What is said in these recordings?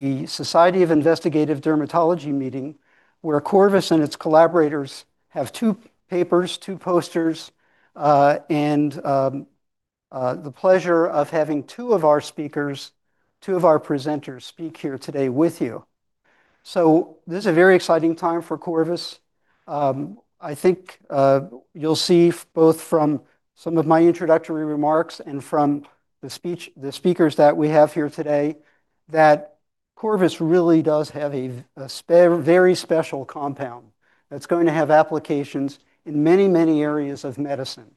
The Society for Investigative Dermatology meeting, where Corvus and its collaborators have two papers, two posters, and the pleasure of having two of our speakers, two of our presenters speak here today with you. This is a very exciting time for Corvus. I think you'll see both from some of my introductory remarks and from the speakers that we have here today, that Corvus really does have a very special compound that's going to have applications in many, many areas of medicine.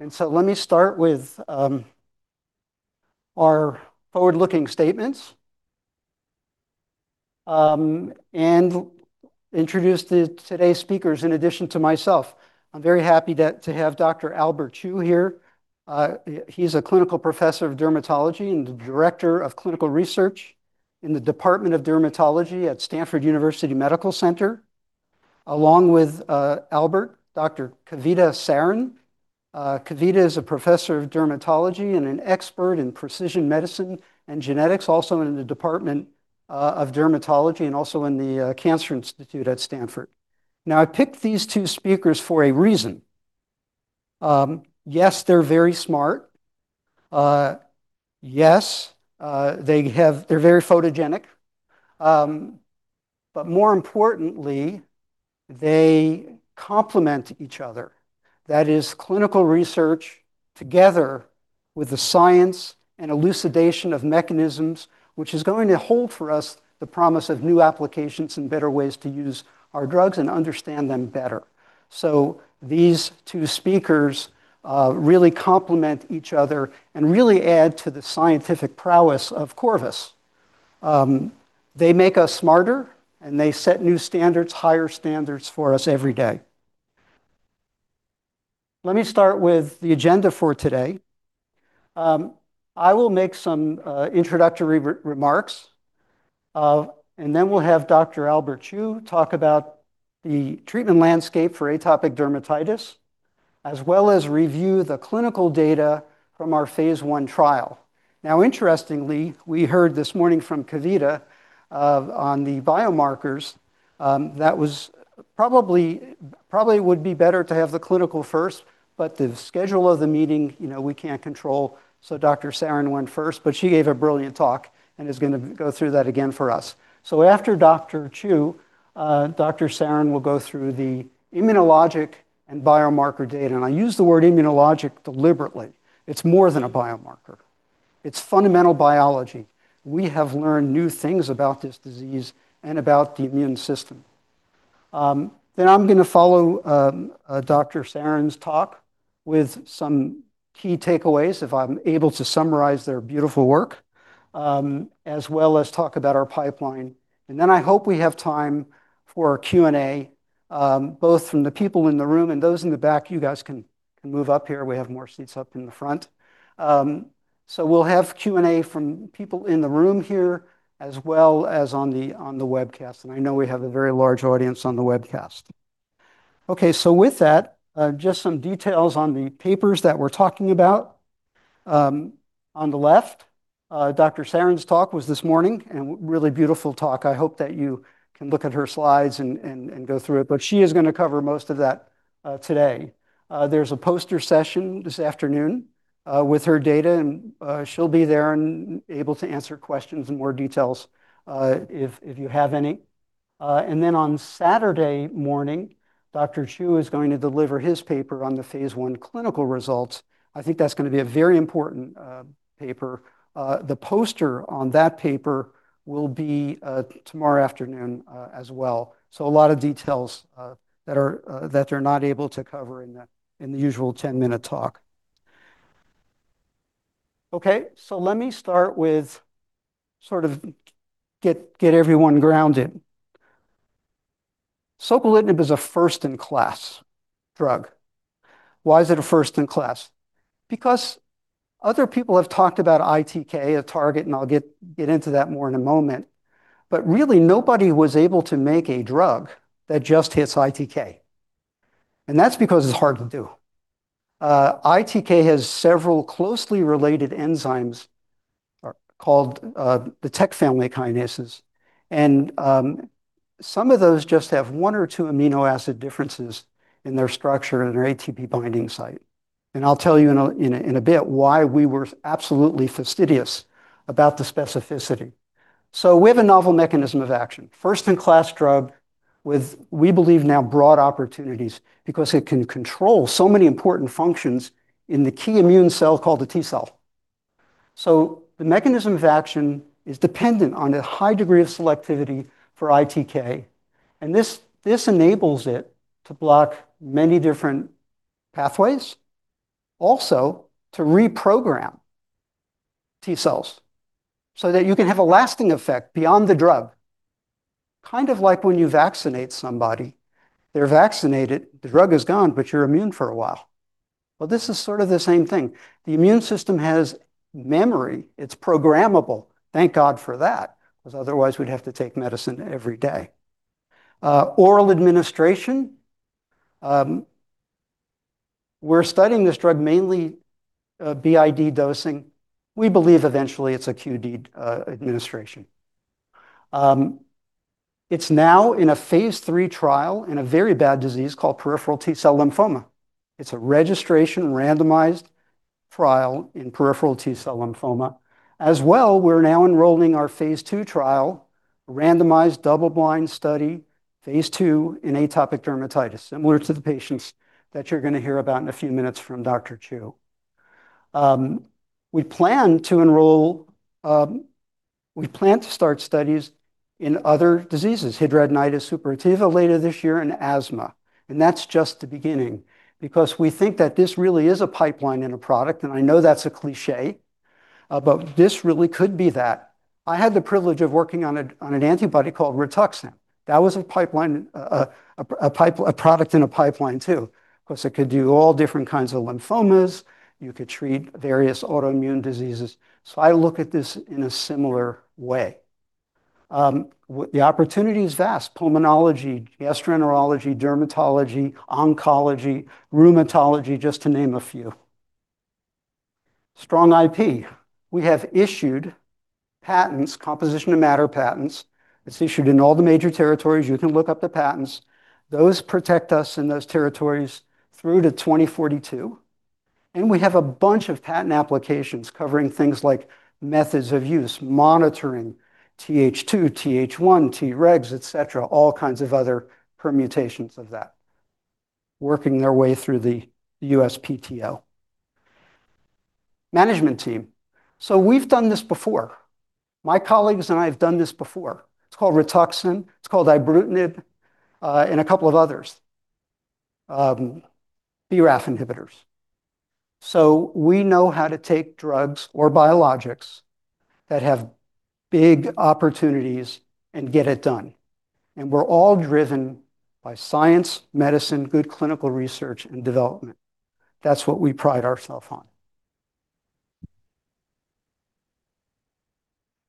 Let me start with our forward-looking statements and introduce the today's speakers in addition to myself. I'm very happy to have Dr. Albert Chiou here. He's a Clinical Professor of Dermatology and the Director of Clinical Research in the Department of Dermatology at Stanford University Medical Center. Along with Albert, Dr. Kavita Sarin. Kavita is a professor of dermatology and an expert in precision medicine and genetics, also in the Department of Dermatology and also in the Cancer Institute at Stanford. I picked these two speakers for a reason. Yes, they're very smart. Yes, they're very photogenic. More importantly, they complement each other. That is clinical research together with the science and elucidation of mechanisms, which is going to hold for us the promise of new applications and better ways to use our drugs and understand them better. These two speakers really complement each other and really add to the scientific prowess of Corvus. They make us smarter, and they set new standards, higher standards for us every day. Let me start with the agenda for today. I will make some introductory remarks. Then we'll have Dr. Albert Chiou talk about the treatment landscape for atopic dermatitis, as well as review the clinical data from our phase I trial. Interestingly, we heard this morning from Kavita Sarin on the biomarkers, that was probably would be better to have the clinical first, but the schedule of the meeting, you know, we can't control. Dr. Sarin went first, but she gave a brilliant talk and is gonna go through that again for us. After Dr. Chiou, Dr. Sarin will go through the immunologic and biomarker data. I use the word immunologic deliberately. It's more than a biomarker. It's fundamental biology. We have learned new things about this disease and about the immune system. I'm gonna follow Dr. Sarin's talk with some key takeaways if I'm able to summarize their beautiful work, as well as talk about our pipeline. I hope we have time for a Q&A, both from the people in the room and those in the back. You guys can move up here. We have more seats up in the front. We'll have Q&A from people in the room here as well as on the webcast. I know we have a very large audience on the webcast. With that, just some details on the papers that we're talking about. On the left, Dr. Sarin's talk was this morning and really beautiful talk. I hope that you can look at her slides and go through it. She is gonna cover most of that today. There's a poster session this afternoon with her data, and she'll be there and able to answer questions in more details if you have any. On Saturday morning, Dr. Chiou is going to deliver his paper on the phase I clinical results. I think that's gonna be a very important paper. The poster on that paper will be tomorrow afternoon as well. A lot of details that they're not able to cover in the 10-minute talk. Okay, let me start with sort of get everyone grounded. soquelitinib is a first-in-class drug. Why is it a first in class? Other people have talked about ITK, a target, and I'll get into that more in a moment. Really, nobody was able to make a drug that just hits ITK, and that's because it's hard to do. ITK has several closely related enzymes called the Tec family kinases. Some of those just have one or two amino acid differences in their structure in their ATP binding site. I'll tell you in a bit why we were absolutely fastidious about the specificity. We have a novel mechanism of action. First in class drug with we believe now broad opportunities because it can control so many important functions in the key immune cell called the T cell. The mechanism of action is dependent on a high degree of selectivity for ITK, and this enables it to block many different pathways. Also to reprogram T cells so that you can have a lasting effect beyond the drug, kind of like when you vaccinate somebody. They're vaccinated, the drug is gone, you're immune for a while. This is sort of the same thing. The immune system has memory. It's programmable. Thank God for that, because otherwise we'd have to take medicine every day. Oral administration, we're studying this drug mainly BID dosing. We believe eventually it's a QD administration. It's now in a phase III trial in a very bad disease called peripheral T cell lymphoma. It's a registration randomized trial in peripheral T cell lymphoma. We're now enrolling our phase II trial, randomized double blind study, phase II in atopic dermatitis, similar to the patients that you're gonna hear about in a few minutes from Dr. Chiou. We plan to start studies in other diseases, hidradenitis suppurativa later this year, and asthma. That's just the beginning because we think that this really is a pipeline in a product, and I know that's a cliché, but this really could be that. I had the privilege of working on an antibody called Rituxan. That was a pipeline, a product in a pipeline too. Of course, it could do all different kinds of lymphomas. You could treat various autoimmune diseases. I look at this in a similar way. The opportunity is vast. Pulmonology, gastroenterology, dermatology, oncology, rheumatology, just to name a few. Strong IP. We have issued patents, composition of matter patents. It's issued in all the major territories. You can look up the patents. Those protect us in those territories through to 2042. We have a bunch of patent applications covering things like methods of use, monitoring Th2, Th1, Tregs, et cetera, all kinds of other permutations of that, working their way through the USPTO. Management team. We've done this before. My colleagues and I have done this before. It's called Rituxan. It's called ibrutinib, and a couple of others, BRAF inhibitors. We know how to take drugs or biologics that have big opportunities and get it done, and we're all driven by science, medicine, good clinical research, and development. That's what we pride ourself on.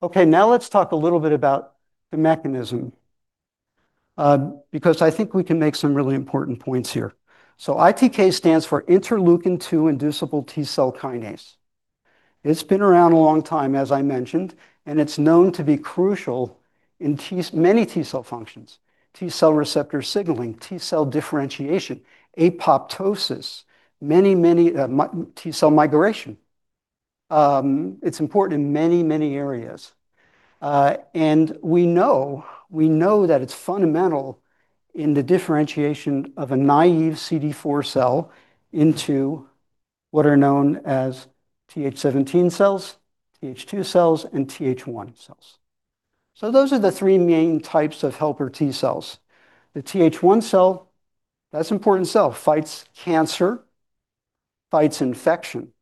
Okay, now let's talk a little bit about the mechanism, because I think we can make some really important points here. ITK stands for Interleukin-2-inducible T cell kinase. It's been around a long time, as I mentioned, and it's known to be crucial in many T cell functions. T cell receptor signaling, T cell differentiation, apoptosis. Many, many T cell migration. It's important in many, many areas. We know that it's fundamental in the differentiation of a naive CD4 cell into what are known as Th17 cells, Th2 cells, and Th1 cells. Those are the three main types of helper T cells. The Th1 cell, that's important cell. Fights cancer, fights infection.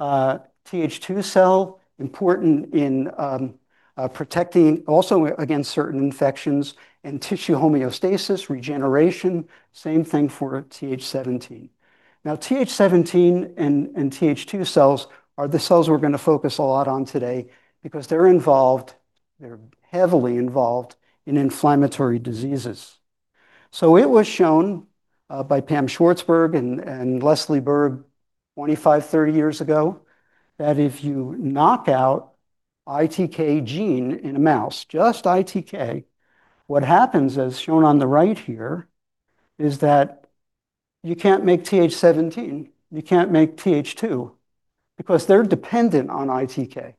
Th2 cell, important in protecting also against certain infections and tissue homeostasis, regeneration. Same thing for Th17. Th17 and Th2 cells are the cells we're gonna focus a lot on today because they're involved, they're heavily involved in inflammatory diseases. It was shown by Pam Schwartzberg and Leslie Berg 25, 30 years ago that if you knock out ITK gene in a mouse, just ITK, what happens, as shown on the right here, is that you can't make Th17, you can't make Th2, because they're dependent on ITK.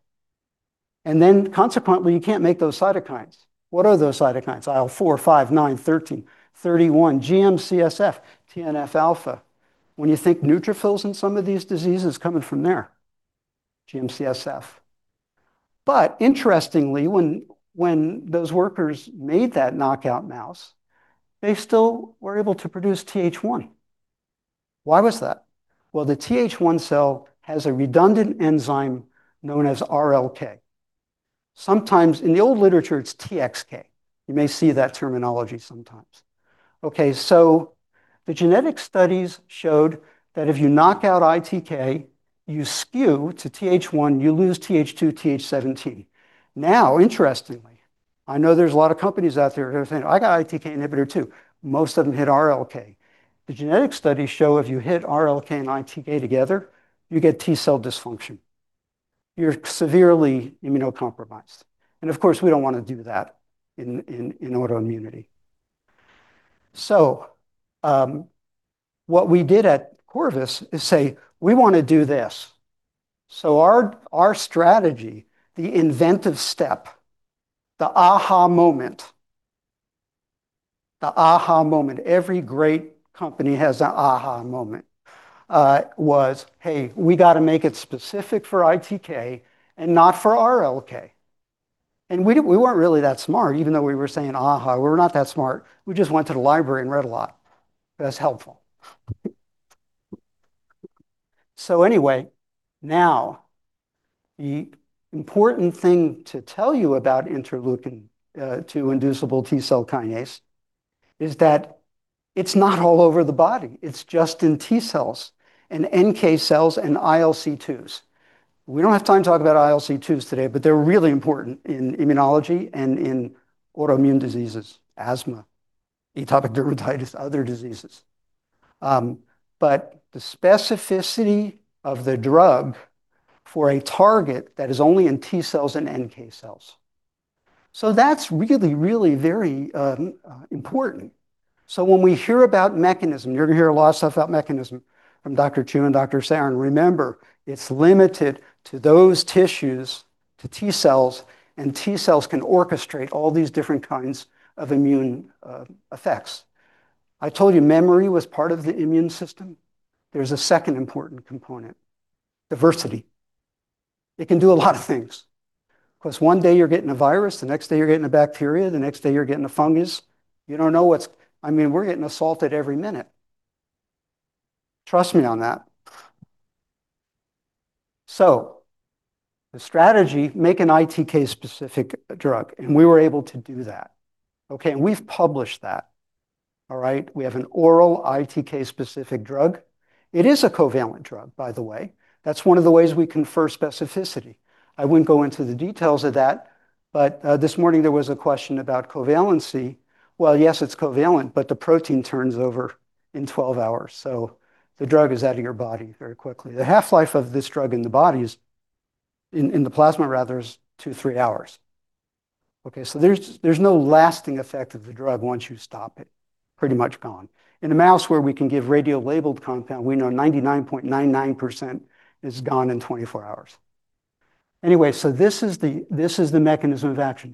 Consequently, you can't make those cytokines. What are those cytokines? IL-4, 5, 9, 13, 31, GM-CSF, TNF-α. When you think neutrophils in some of these diseases coming from there, GM-CSF. Interestingly, when those workers made that knockout mouse, they still were able to produce Th1. Why was that? Well, the Th1 cell has a redundant enzyme known as RLK. Sometimes in the old literature it's TXK. You may see that terminology sometimes. Okay, the genetic studies showed that if you knock out ITK, you skew to Th1, you lose Th2, Th17. Interestingly, I know there's a lot of companies out there who are saying, "I got ITK inhibitor too." Most of them hit RLK. The genetic studies show if you hit RLK and ITK together, you get T-cell dysfunction. You're severely immunocompromised. Of course, we don't wanna do that in autoimmunity. What we did at Corvus is say, "We wanna do this." Our strategy, the inventive step, the aha moment. The aha moment. Every great company has a aha moment. Was, "Hey, we gotta make it specific for ITK and not for RLK." We weren't really that smart, even though we were saying aha, we're not that smart. We just went to the library and read a lot. That's helpful. The important thing to tell you about Interleukin-2-inducible T cell kinase is that it's not all over the body. It's just in T cells and NK cells and ILC2s. We don't have time to talk about ILC2s today, but they're really important in immunology and in autoimmune diseases, asthma, atopic dermatitis, other diseases. The specificity of the drug for a target that is only in T cells and NK cells. That's really very important. When we hear about mechanism, you're gonna hear a lot of stuff about mechanism from Dr. Chiou and Dr. Sarin, remember, it's limited to those tissues, to T cells, and T cells can orchestrate all these different kinds of immune effects. I told you memory was part of the immune system. There's a second important component, diversity. It can do a lot of things. One day you're getting a virus, the next day you're getting a bacteria, the next day you're getting a fungus. You don't know what's I mean, we're getting assaulted every minute. Trust me on that. The strategy, make an ITK specific drug, and we were able to do that, okay? We've published that. All right? We have an oral ITK specific drug. It is a covalent drug, by the way. That's one of the ways we confer specificity. I wouldn't go into the details of that, but this morning there was a question about covalency. Well, yes, it's covalent, but the protein turns over in 12 hours. The drug is out of your body very quickly. The half-life of this drug in the body is in the plasma rather, is two, three hours. Okay? There's no lasting effect of the drug once you stop it. Pretty much gone. In a mouse where we can give radio-labeled compound, we know 99.99% is gone in 24 hours. This is the mechanism of action.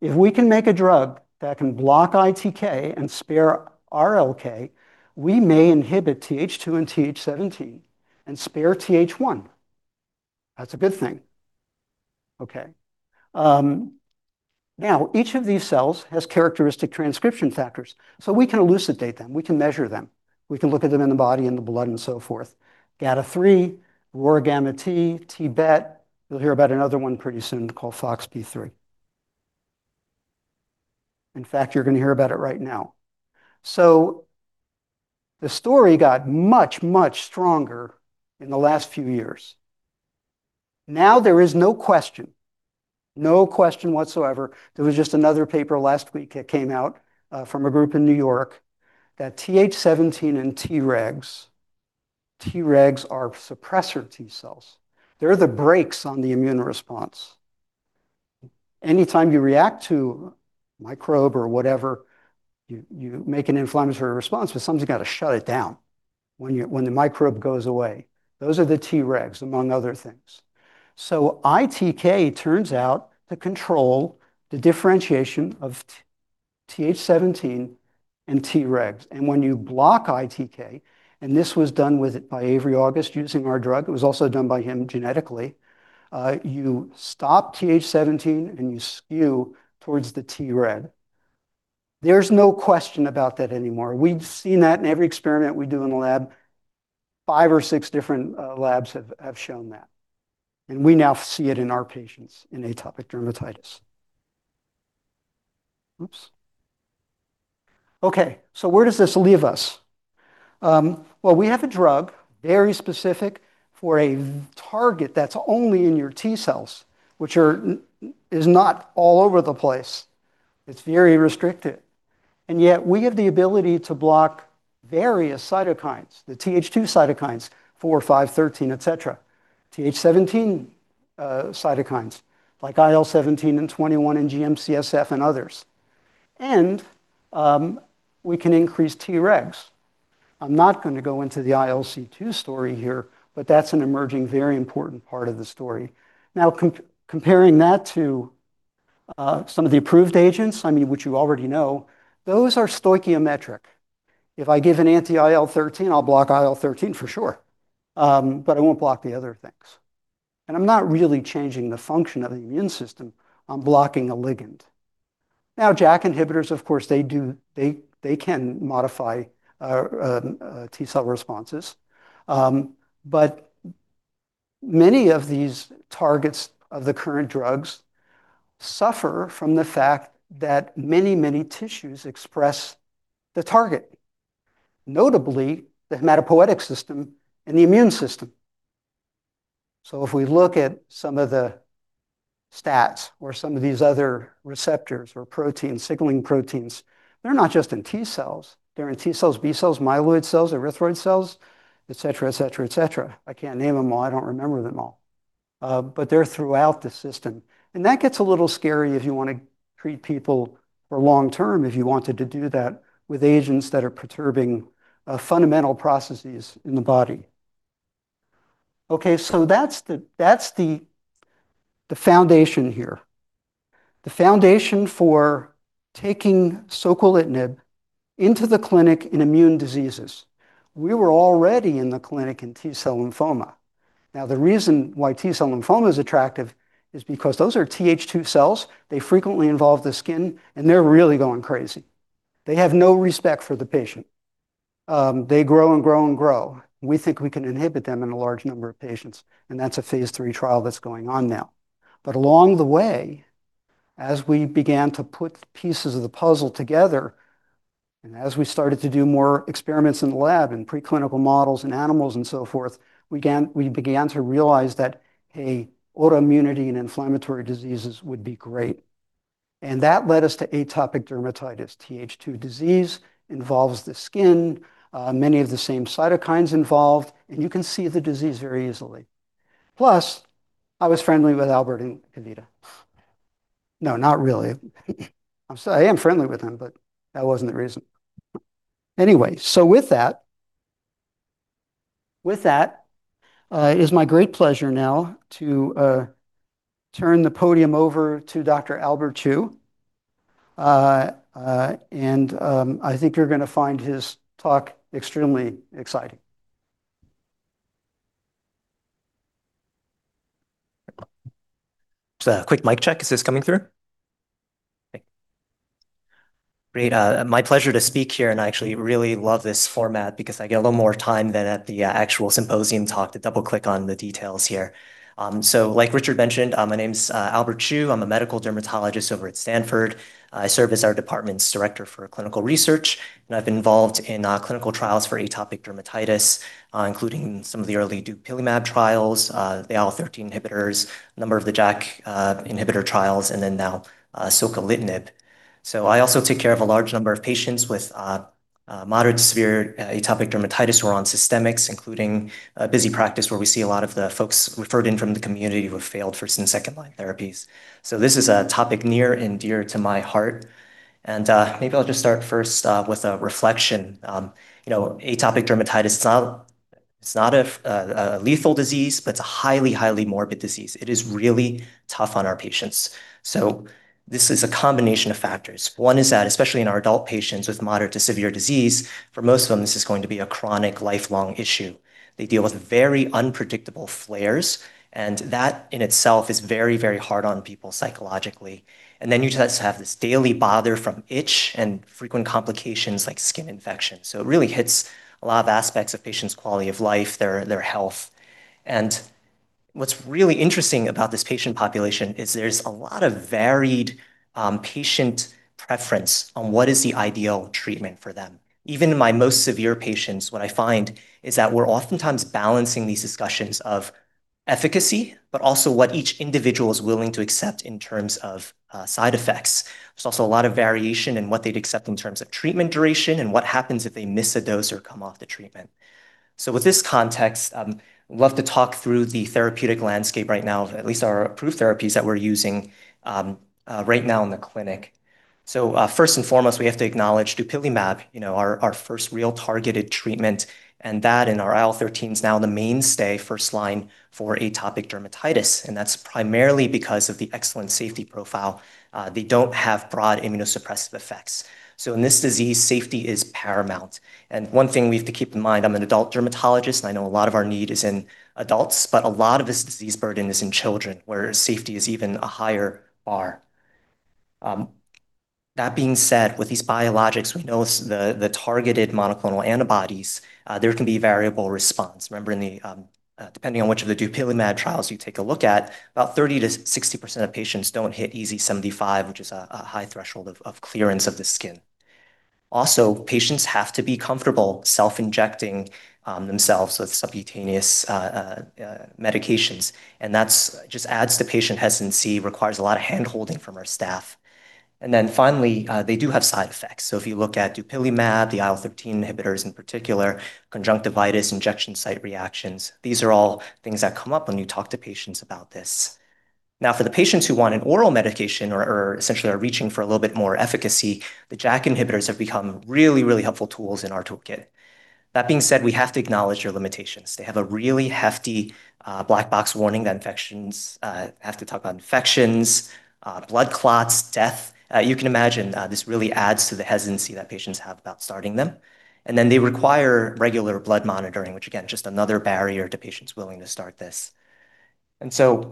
If we can make a drug that can block ITK and spare RLK, we may inhibit Th2 and Th17 and spare Th1. That's a good thing. Okay. Now, each of these cells has characteristic transcription factors, so we can elucidate them, we can measure them. We can look at them in the body and the blood and so forth. GATA3, RORγt, T-bet. You'll hear about another one pretty soon called Foxp3. In fact, you're going to hear about it right now. The story got much stronger in the last few years. Now there is no question, no question whatsoever, there was just another paper last week that came out from a group in New York, that Th17 and Tregs are suppressor T cells. They're the brakes on the immune response. Anytime you react to microbe or whatever, you make an inflammatory response, something's gotta shut it down when the microbe goes away. Those are the Tregs, among other things. ITK turns out to control the differentiation of Th17 and Tregs. When you block ITK, and this was done by Avery August using our drug, it was also done by him genetically, you stop Th17 and you skew towards the Treg. There's no question about that anymore. We've seen that in every experiment we do in the lab. Five or six different labs have shown that, and we now see it in our patients in atopic dermatitis. Oops. Okay, where does this leave us? Well, we have a drug, very specific, for a target that's only in your T cells, which is not all over the place. It's very restricted. Yet we have the ability to block various cytokines, the Th2 cytokines, 4, 5, 13, et cetera. Th17 cytokines, like IL-17 and 21 and GM-CSF and others. We can increase Tregs. I'm not gonna go into the ILC2 story here, but that's an emerging very important part of the story. Now comparing that to some of the approved agents, I mean, which you already know, those are stoichiometric. If I give an anti-IL-13, I'll block IL-13 for sure. I won't block the other things. I'm not really changing the function of the immune system, I'm blocking a ligand. JAK inhibitors, of course, they can modify T cell responses. Many of these targets of the current drugs suffer from the fact that many, many tissues express the target, notably the hematopoietic system and the immune system. If we look at some of the stats or some of these other receptors or proteins, signaling proteins, they're not just in T cells. They're in T cells, B cells, myeloid cells, erythroid cells, et cetera, et cetera, et cetera. I can't name them all. I don't remember them all. They're throughout the system. That gets a little scary if you wanna treat people for long term, if you wanted to do that with agents that are perturbing fundamental processes in the body. Okay, that's the foundation here. The foundation for taking soquelitinib into the clinic in immune diseases. We were already in the clinic in T-cell lymphoma. The reason why T cell lymphoma is attractive is because those are Th2 cells, they frequently involve the skin, and they're really going crazy. They have no respect for the patient. They grow and grow and grow. We think we can inhibit them in a large number of patients, and that's a phase III trial that's going on now. Along the way, as we began to put pieces of the puzzle together, as we started to do more experiments in the lab and preclinical models in animals and so forth, we began to realize that, "Hey, autoimmunity and inflammatory diseases would be great." That led us to atopic dermatitis. Th2 disease involves the skin, many of the same cytokines involved, and you can see the disease very easily. Plus, I was friendly with Albert and Kavita. No, not really. I am friendly with them, but that wasn't the reason. Anyway, so with that, with that, it is my great pleasure now to turn the podium over to Dr. Albert Chiou. I think you're gonna find his talk extremely exciting. Just a quick mic check. Is this coming through? Great. My pleasure to speak here, and I actually really love this format because I get a little more time than at the actual symposium talk to double-click on the details here. Like Richard mentioned, my name's Albert Chiou. I'm a medical dermatologist over at Stanford. I serve as our department's director for clinical research, and I've been involved in clinical trials for atopic dermatitis, including some of the early dupilumab trials, the IL-13 inhibitors, a number of the JAK inhibitor trials, and then now soquelitinib. I also take care of a large number of patients with moderate to severe atopic dermatitis who are on systemics, including a busy practice where we see a lot of the folks referred in from the community who have failed first and second-line therapies. Maybe I'll just start first with a reflection. You know, atopic dermatitis is not, it's not a lethal disease, but it's a highly morbid disease. It is really tough on our patients. This is a combination of factors. One is that, especially in our adult patients with moderate to severe disease, for most of them, this is going to be a chronic lifelong issue. They deal with very unpredictable flares, and that in itself is very, very hard on people psychologically. You just have this daily bother from itch and frequent complications like skin infections. It really hits a lot of aspects of patients' quality of life, their health. What's really interesting about this patient population is there's a lot of varied patient preference on what is the ideal treatment for them. Even my most severe patients, what I find is that we're oftentimes balancing these discussions of efficacy, but also what each individual is willing to accept in terms of side effects. There's also a lot of variation in what they'd accept in terms of treatment duration and what happens if they miss a dose or come off the treatment. With this context, love to talk through the therapeutic landscape right now of at least our approved therapies that we're using right now in the clinic. First and foremost, we have to acknowledge dupilumab, you know, our first real targeted treatment, and that and our IL-13s now the mainstay first line for atopic dermatitis, and that's primarily because of the excellent safety profile. They don't have broad immunosuppressive effects. In this disease, safety is paramount. One thing we have to keep in mind, I'm an adult dermatologist, and I know a lot of our need is in adults, but a lot of this disease burden is in children, where safety is even a higher bar. That being said, with these biologics, we know the targeted monoclonal antibodies, there can be variable response. Remember in the, depending on which of the dupilumab trials you take a look at, about 30% to 60% of patients don't hit EASI 75, which is a high threshold of clearance of the skin. Patients have to be comfortable self-injecting themselves with subcutaneous medications, and that just adds to patient hesitancy, requires a lot of hand-holding from our staff. Finally, they do have side effects. If you look at dupilumab, the IL-13 inhibitors in particular, conjunctivitis, injection site reactions, these are all things that come up when you talk to patients about this. For the patients who want an oral medication or essentially are reaching for a little bit more efficacy, the JAK inhibitors have become really helpful tools in our toolkit. That being said, we have to acknowledge their limitations. They have a really hefty black box warning that infections, blood clots, death. You can imagine, this really adds to the hesitancy that patients have about starting them. They require regular blood monitoring, which again, just another barrier to patients willing to start this.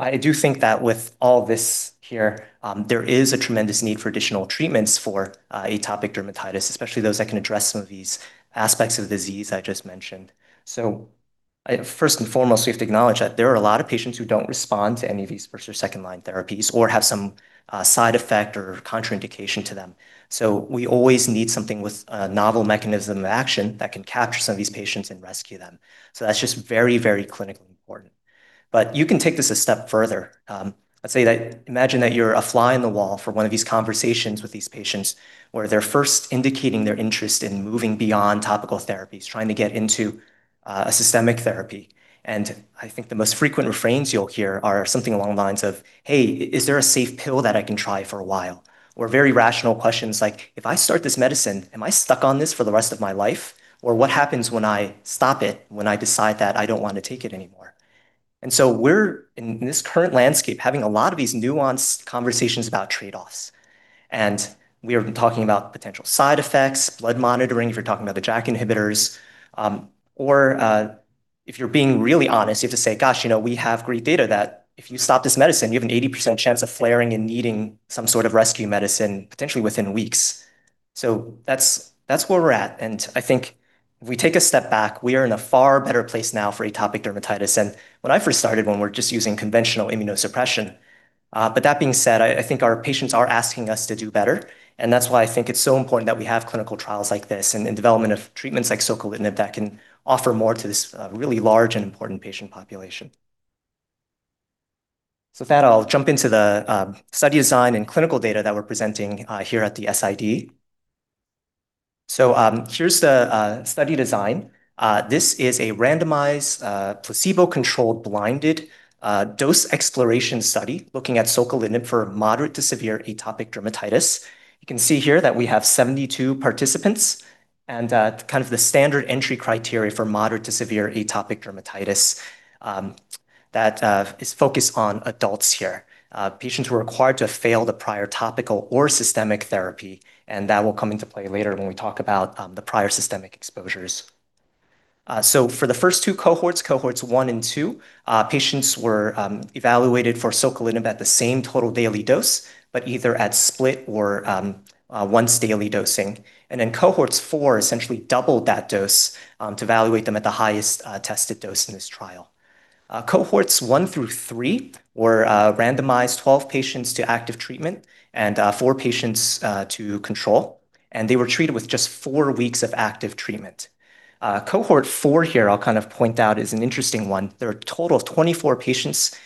I do think that with all this here, there is a tremendous need for additional treatments for atopic dermatitis, especially those that can address some of these aspects of the disease I just mentioned. First and foremost, we have to acknowledge that there are a lot of patients who don't respond to any of these first or second-line therapies or have some side effect or contraindication to them. We always need something with a novel mechanism of action that can capture some of these patients and rescue them. That's just very, very clinically important. You can take this a step further. Let's say that imagine that you're a fly on the wall for one of these conversations with these patients where they're first indicating their interest in moving beyond topical therapies, trying to get into a systemic therapy. I think the most frequent refrains you'll hear are something along the lines of, "Hey, is there a safe pill that I can try for a while?" Very rational questions like, "If I start this medicine, am I stuck on this for the rest of my life?" "What happens when I stop it, when I decide that I don't wanna take it anymore?" We're in this current landscape, having a lot of these nuanced conversations about trade-offs. We are talking about potential side effects, blood monitoring, if you're talking about the JAK inhibitors. If you're being really honest, you have to say, "Gosh, you know, we have great data that if you stop this medicine, you have an 80% chance of flaring and needing some sort of rescue medicine, potentially within weeks." That's where we're at. If we take a step back, we are in a far better place now for atopic dermatitis than when I first started, when we're just using conventional immunosuppression. That being said, I think our patients are asking us to do better, and that's why I think it's so important that we have clinical trials like this and development of treatments like soquelitinib that can offer more to this really large and important patient population. With that, I'll jump into the study design and clinical data that we're presenting here at the SID. Here's the study design. This is a randomized, placebo-controlled, blinded, dose exploration study looking at soquelitinib for moderate to severe atopic dermatitis. You can see here that we have 72 participants and kind of the standard entry criteria for moderate to severe atopic dermatitis that is focused on adults here. Patients who are required to have failed a prior topical or systemic therapy, and that will come into play later when we talk about the prior systemic exposures. For the first two cohorts 1 and 2, patients were evaluated for soquelitinib at the same total daily dose, but either at split or once-daily dosing. Cohorts 4 essentially doubled that dose to evaluate them at the highest tested dose in this trial. Cohorts 1 through 3 were randomized 12 patients to active treatment and four patients to control, and they were treated with just four weeks of active treatment. Cohort 4 here, I'll kind of point out, is an interesting one. There are a total of 24 patients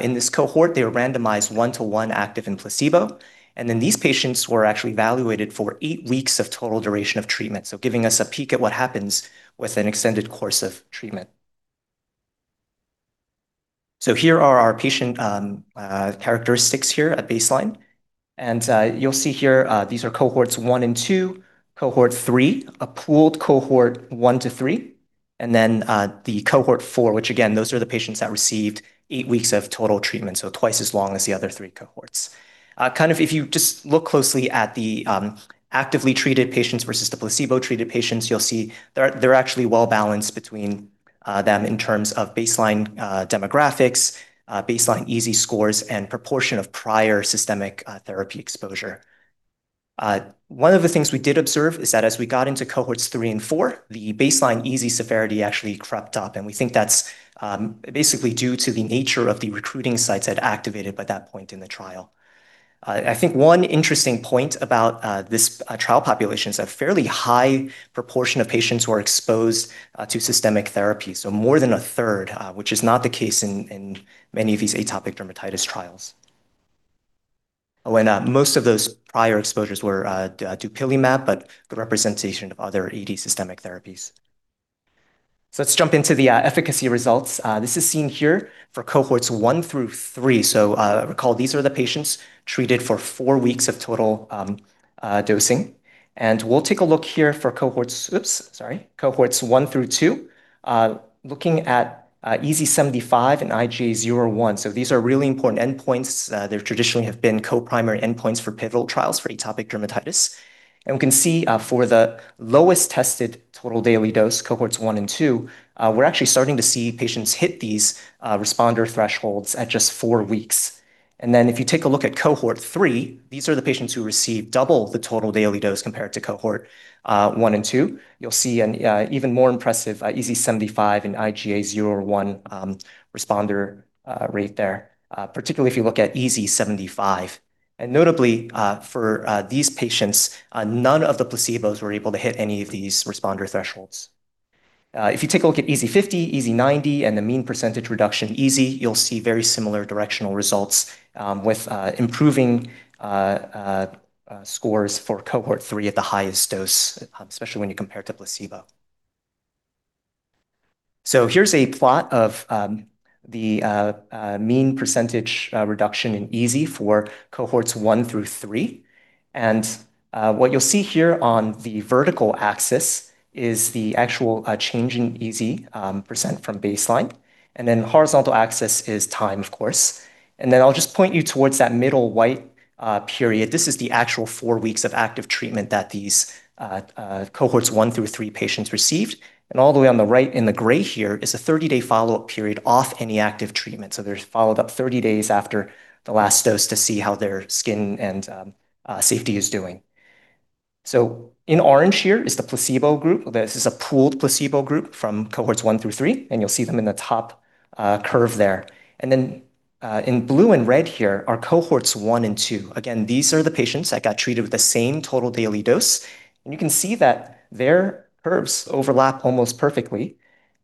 in this cohort. They were randomized 1:1 active and placebo, these patients were actually evaluated for eight weeks of total duration of treatment, so giving us a peek at what happens with an extended course of treatment. Here are our patient characteristics here at baseline. You'll see here, these are cohorts 1 and 2, cohort 3, a pooled cohort 1 to 3, then the cohort 4, which again, those are the patients that received eight weeks of total treatment, so twice as long as the other three cohorts. Kind of if you just look closely at the actively treated patients versus the placebo-treated patients, you'll see they're actually well-balanced between them in terms of baseline demographics, baseline EASI scores, and proportion of prior systemic therapy exposure. One of the things we did observe is that as we got into cohorts 3 and 4, the baseline EASI severity actually crept up, and we think that's basically due to the nature of the recruiting sites that activated by that point in the trial. I think one interesting point about this trial population is a fairly high proportion of patients who are exposed to systemic therapy, so more than a third, which is not the case in many of these atopic dermatitis trials. Most of those prior exposures were dupilimab, but the representation of other AD systemic therapies. Let's jump into the efficacy results. This is seen here for cohorts 1 through 3. Recall these are the patients treated for four weeks of total dosing. We'll take a look here for cohorts 1 through 2, looking at EASI 75 and IGA 0/1. These are really important endpoints. They traditionally have been co-primary endpoints for pivotal trials for atopic dermatitis. We can see, for the lowest-tested total daily dose, cohorts 1 and 2, we're actually starting to see patients hit these responder thresholds at just four weeks. If you take a look at cohort 3, these are the patients who received double the total daily dose compared to cohort, 1 and 2. You'll see an even more impressive EASI 75 and IGA 0/1 responder rate there, particularly if you look at EASI 75. Notably, for these patients, none of the placebos were able to hit any of these responder thresholds. If you take a look at EASI 50, EASI 90, and the mean percentage reduction EASI, you'll see very similar directional results, with improving scores for cohort 3 at the highest dose, especially when you compare to placebo. Here's a plot of the mean percentage reduction in EASI for cohorts 1 through 3. What you'll see here on the vertical axis is the actual change in EASI percent from baseline, then horizontal axis is time, of course. Then I'll just point you towards that middle white period. This is the actual four weeks of active treatment that these cohorts 1 through 3 patients received. All the way on the right in the gray here is a 30-day follow-up period off any active treatment. They're followed up 30 days after the last dose to see how their skin and safety is doing. In orange here is the placebo group. This is a pooled placebo group from cohorts 1 through 3, and you'll see them in the top curve there. In blue and red here are cohorts 1 and 2. Again, these are the patients that got treated with the same total daily dose. You can see that their curves overlap almost perfectly,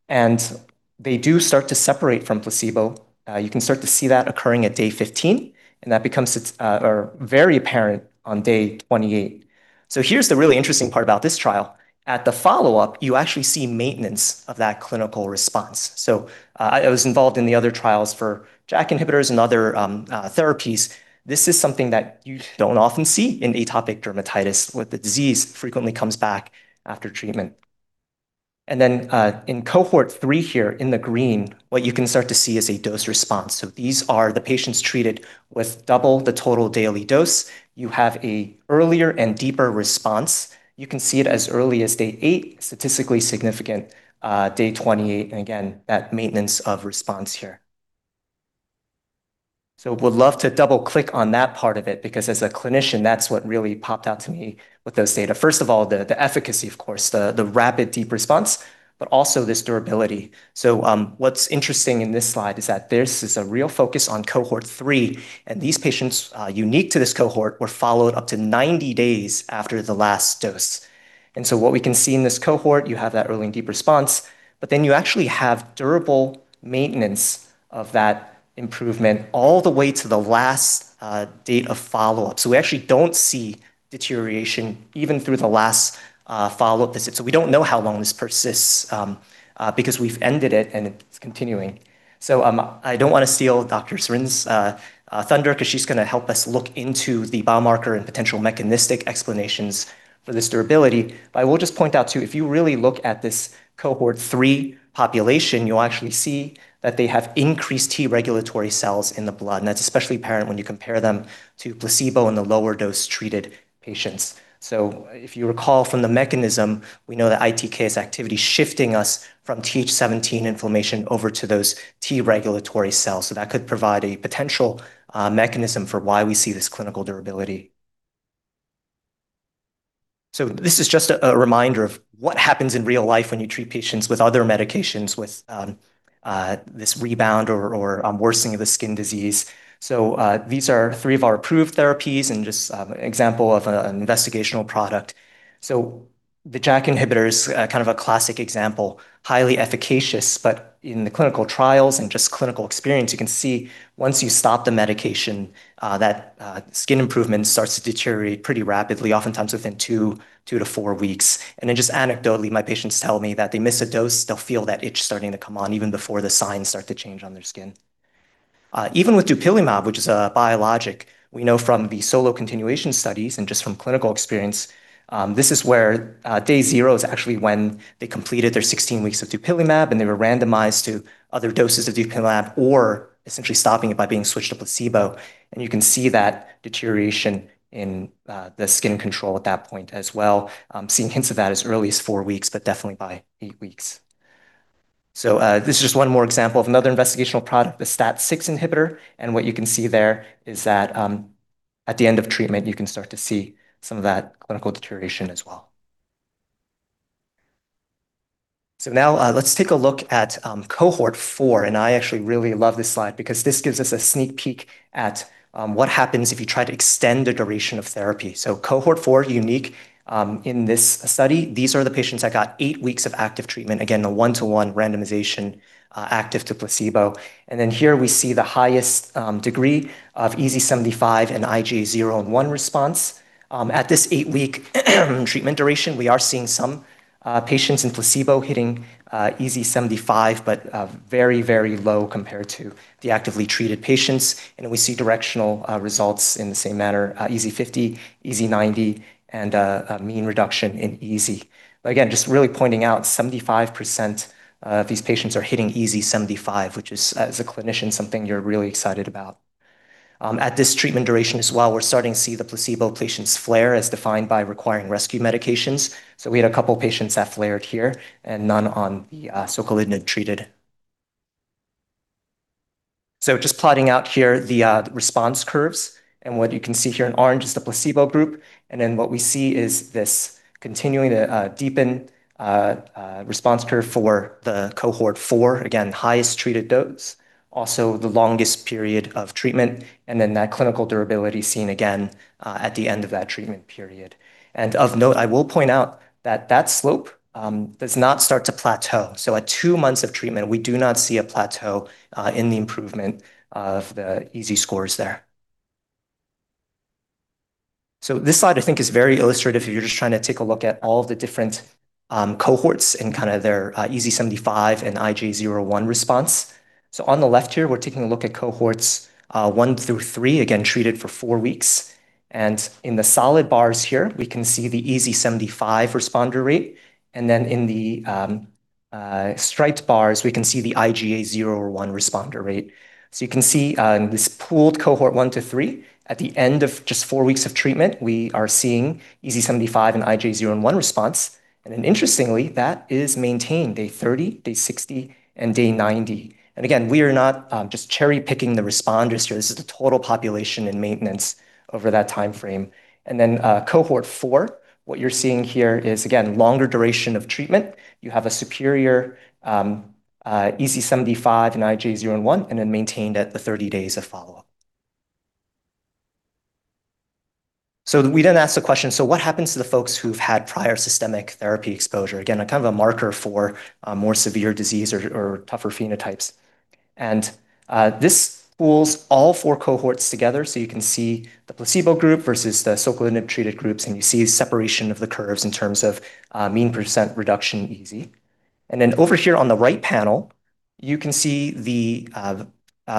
and they do start to separate from placebo. You can start to see that occurring at day 15, and that becomes very apparent on day 28. Here's the really interesting part about this trial. At the follow-up, you actually see maintenance of that clinical response. I was involved in the other trials for JAK inhibitors and other therapies. This is something that you don't often see in atopic dermatitis, where the disease frequently comes back after treatment. In cohort 3 here in the green, what you can start to see is a dose response. These are the patients treated with double the total daily dose. You have a earlier and deeper response. You can see it as early as day eight, statistically significant, day 28, and again, that maintenance of response here. Would love to double click on that part of it because as a clinician, that's what really popped out to me with those data. First of all, the efficacy, of course, the rapid deep response, but also this durability. What's interesting in this slide is that this is a real focus on cohort three, and these patients, unique to this cohort, were followed up to 90 days after the last dose. What we can see in this cohort, you have that early and deep response, but then you actually have durable maintenance of that improvement all the way to the last date of follow-up. We actually don't see deterioration even through the last follow-up visit. We don't know how long this persists because we've ended it, and it's continuing. I don't wanna steal Dr. Sarin's thunder 'cause she's gonna help us look into the biomarker and potential mechanistic explanations for this durability. I will just point out too, if you really look at this cohort 3 population, you'll actually see that they have increased T regulatory cells in the blood, and that's especially apparent when you compare them to placebo in the lower dose treated patients. If you recall from the mechanism, we know that ITK's activity shifting us from Th17 inflammation over to those T regulatory cells. That could provide a potential mechanism for why we see this clinical durability. This is just a reminder of what happens in real life when you treat patients with other medications with this rebound or worsening of the skin disease. These are three of our approved therapies and just an investigational product. The JAK inhibitor is kind of a classic example, highly efficacious. In the clinical trials and just clinical experience, you can see once you stop the medication, that skin improvement starts to deteriorate pretty rapidly, oftentimes within two to four weeks. Just anecdotally, my patients tell me that they miss a dose, they'll feel that itch starting to come on even before the signs start to change on their skin. Even with dupilumab, which is a biologic, we know from the SOLO continuation studies and just from clinical experience, this is where day zero is actually when they completed their 16 weeks of dupilumab, and they were randomized to other doses of dupilumab or essentially stopping it by being switched to placebo. You can see that deterioration in the skin control at that point as well, seeing hints of that as early as four weeks, but definitely by eight weeks. This is just one more example of another investigational product, the STAT6 inhibitor. What you can see there is that, at the end of treatment, you can start to see some of that clinical deterioration as well. Now, let's take a look at cohort 4. I actually really love this slide because this gives us a sneak peek at what happens if you try to extend the duration of therapy. Cohort 4, unique in this study. These are the patients that got eight weeks of active treatment. Again, the 1:1 randomization, active to placebo. Here we see the highest degree of EASI 75 and IGA 0/1 response. At this eight-week treatment duration, we are seeing some patients in placebo hitting EASI 75, very, very low compared to the actively treated patients. We see directional results in the same manner, EASI 50, EASI 90, a mean reduction in EASI. Just really pointing out 75% of these patients are hitting EASI 75, which is, as a clinician, something you're really excited about. At this treatment duration as well, we're starting to see the placebo patients flare as defined by requiring rescue medications. We had a couple patients that flared here and none on the soquelitinib treated. Just plotting out here the response curves, and what you can see here in orange is the placebo group. What we see is this continuing to deepen response curve for the cohort 4. Again, highest treated dose, also the longest period of treatment, and then that clinical durability seen again at the end of that treatment period. I will point out that that slope does not start to plateau. At two months of treatment, we do not see a plateau in the improvement of the EASI scores there. This slide I think is very illustrative if you're just trying to take a look at all the different cohorts and kinda their EASI 75 and IGA 0/1 response. On the left here, we're taking a look at cohorts, 1 through 3, again, treated for four weeks. In the solid bars here, we can see the EASI 75 responder rate. In the striped bars, we can see the IGA 0/1 responder rate. You can see this pooled cohort 1 to 3. At the end of just four weeks of treatment, we are seeing EASI 75 and IGA 0/1 response. Interestingly, that is maintained day 30, day 60, and day 90. Again, we are not just cherry-picking the responders here. This is the total population and maintenance over that timeframe. Cohort 4, what you're seeing here is again, longer duration of treatment. You have a superior EASI 75 and IGA 0/1, and then maintained at the 30 days of follow-up. We then asked the question, what happens to the folks who've had prior systemic therapy exposure? Again, a kind of a marker for more severe disease or tougher phenotypes. This pools all four cohorts together, so you can see the placebo group versus the soquelitinib-treated groups, and you see separation of the curves in terms of mean percent reduction in EASI. Over here on the right panel, you can see the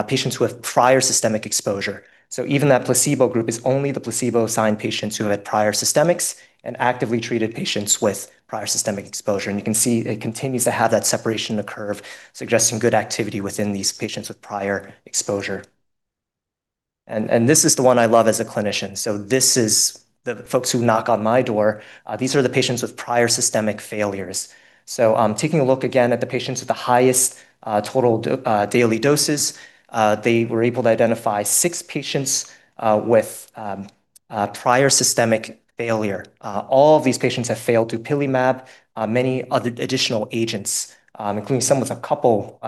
patients with prior systemic exposure. Even that placebo group is only the placebo-assigned patients who had prior systemics and actively treated patients with prior systemic exposure. You can see it continues to have that separation of the curve, suggesting good activity within these patients with prior exposure. This is the one I love as a clinician. This is the folks who knock on my door. These are the patients with prior systemic failures. Taking a look again at the patients with the highest total daily doses, they were able to identify six patients with prior systemic failure. All of these patients have failed dupilumab, many other additional agents, including some with a couple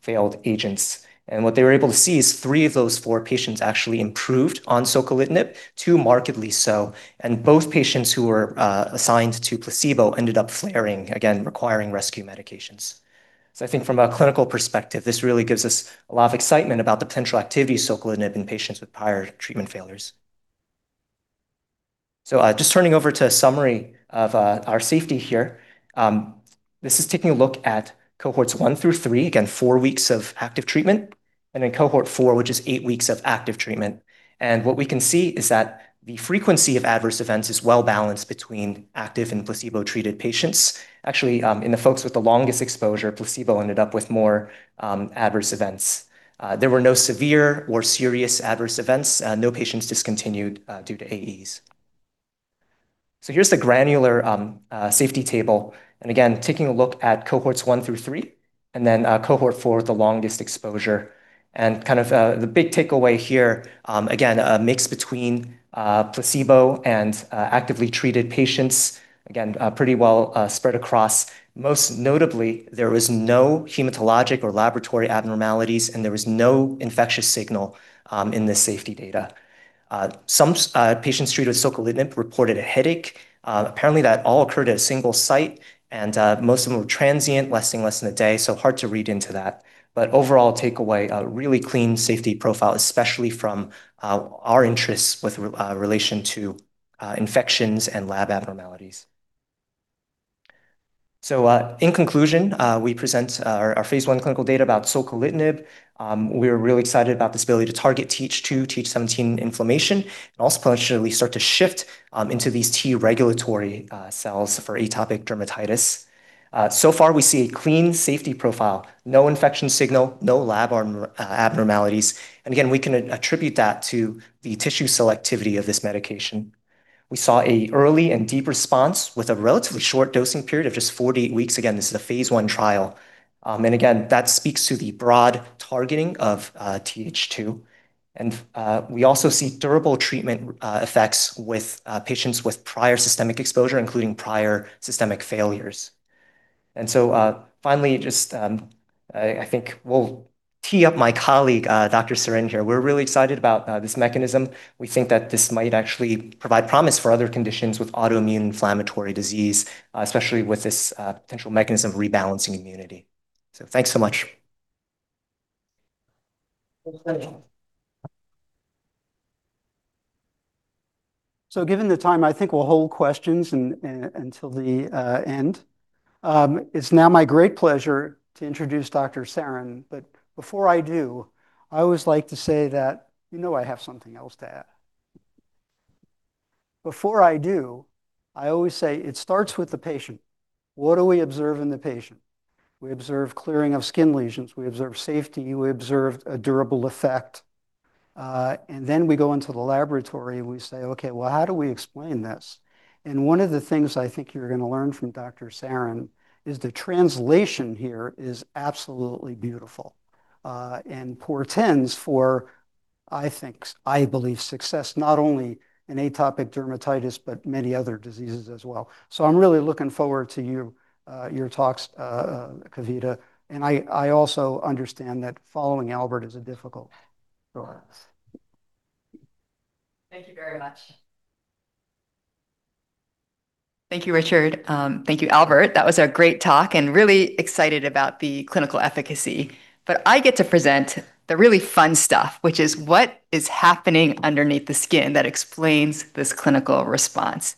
failed agents. What they were able to see is three of those four patients actually improved on soquelitinib, two markedly so. Both patients who were assigned to placebo ended up flaring, again requiring rescue medications. I think from a clinical perspective, this really gives us a lot of excitement about the potential activity of soquelitinib in patients with prior treatment failures. Just turning over to a summary of our safety here. This is taking a look at cohorts 1 through 3, again, four weeks of active treatment, and then cohort 4, which is eight weeks of active treatment. What we can see is that the frequency of adverse events is well-balanced between active and placebo-treated patients. Actually, in the folks with the longest exposure, placebo ended up with more adverse events. There were no severe or serious adverse events. No patients discontinued due to AEs. Here's the granular safety table, and again, taking a look at cohorts 1 through 3, and then cohort 4, the longest exposure. Kind of, the big takeaway here, again, a mix between placebo and actively treated patients, again, pretty well spread across. Most notably, there was no hematologic or laboratory abnormalities, and there was no infectious signal in the safety data. Some patients treated with soquelitinib reported a headache. Apparently that all occurred at a single site, and most of them were transient, lasting less than a day, so hard to read into that. Overall takeaway, a really clean safety profile, especially from our interests with relation to infections and lab abnormalities. In conclusion, we present our phase I clinical data about soquelitinib. We're really excited about this ability to target Th2, Th17 inflammation, and also potentially start to shift into these Tregs for atopic dermatitis. So far we see a clean safety profile, no infection signal, no lab abnormalities. Again, we can attribute that to the tissue selectivity of this medication. We saw a early and deep response with a relatively short dosing period of just four to eight weeks. Again, this is a phase I trial. Again, that speaks to the broad targeting of Th2. We also see durable treatment effects with patients with prior systemic exposure, including prior systemic failures. Finally, just, I think we'll tee up my colleague Dr. Sarin here. We're really excited about this mechanism. We think that this might actually provide promise for other conditions with autoimmune inflammatory disease, especially with this potential mechanism of rebalancing immunity. Thanks so much. Thanks, Albert. Given the time, I think we'll hold questions until the end. It's now my great pleasure to introduce Dr. Sarin. Before I do, I always like to say that, you know I have something else to add. Before I do, I always say it starts with the patient. What do we observe in the patient? We observe clearing of skin lesions. We observe safety. We observe a durable effect. Then we go into the laboratory and we say, "Okay, well, how do we explain this?" One of the things I think you're gonna learn from Dr. Sarin is the translation here is absolutely beautiful, and portends for, I think I believe, success, not only in atopic dermatitis, but many other diseases as well. I'm really looking forward to you, your talks, Kavita. I also understand that following Albert is a difficult task. Thank you very much. Thank you, Richard. Thank you, Albert. That was a great talk, really excited about the clinical efficacy. I get to present the really fun stuff, which is what is happening underneath the skin that explains this clinical response.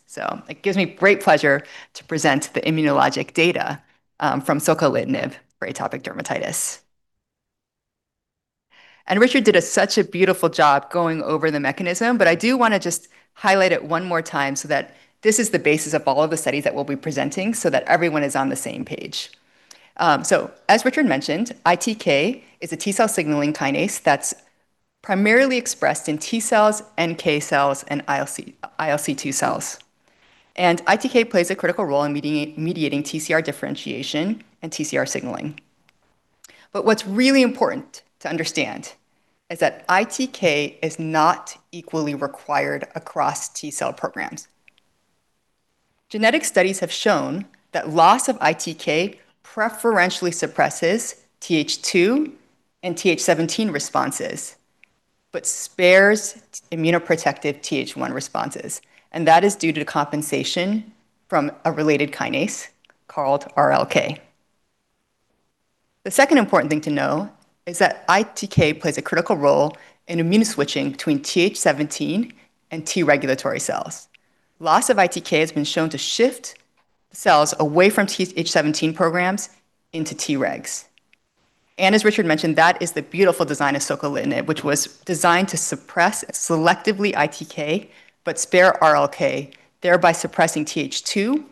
It gives me great pleasure to present the immunologic data from soquelitinib for atopic dermatitis. Richard did a such a beautiful job going over the mechanism, I do wanna just highlight it one more time so that this is the basis of all of the studies that we'll be presenting so that everyone is on the same page. As Richard mentioned, ITK is a T cell signaling kinase that's primarily expressed in T cells, NK cells, and ILC2 cells. ITK plays a critical role in mediating TCR differentiation and TCR signaling. What's really important to understand is that ITK is not equally required across T cell programs. Genetic studies have shown that loss of ITK preferentially suppresses Th2 and Th17 responses, but spares immunoprotective Th1 responses, and that is due to compensation from a related kinase called RLK. The second important thing to know is that ITK plays a critical role in immune switching between Th17 and T regulatory cells. Loss of ITK has been shown to shift cells away from Th17 programs into Tregs. As Richard mentioned, that is the beautiful design of soquelitinib, which was designed to suppress selectively ITK but spare RLK, thereby suppressing Th2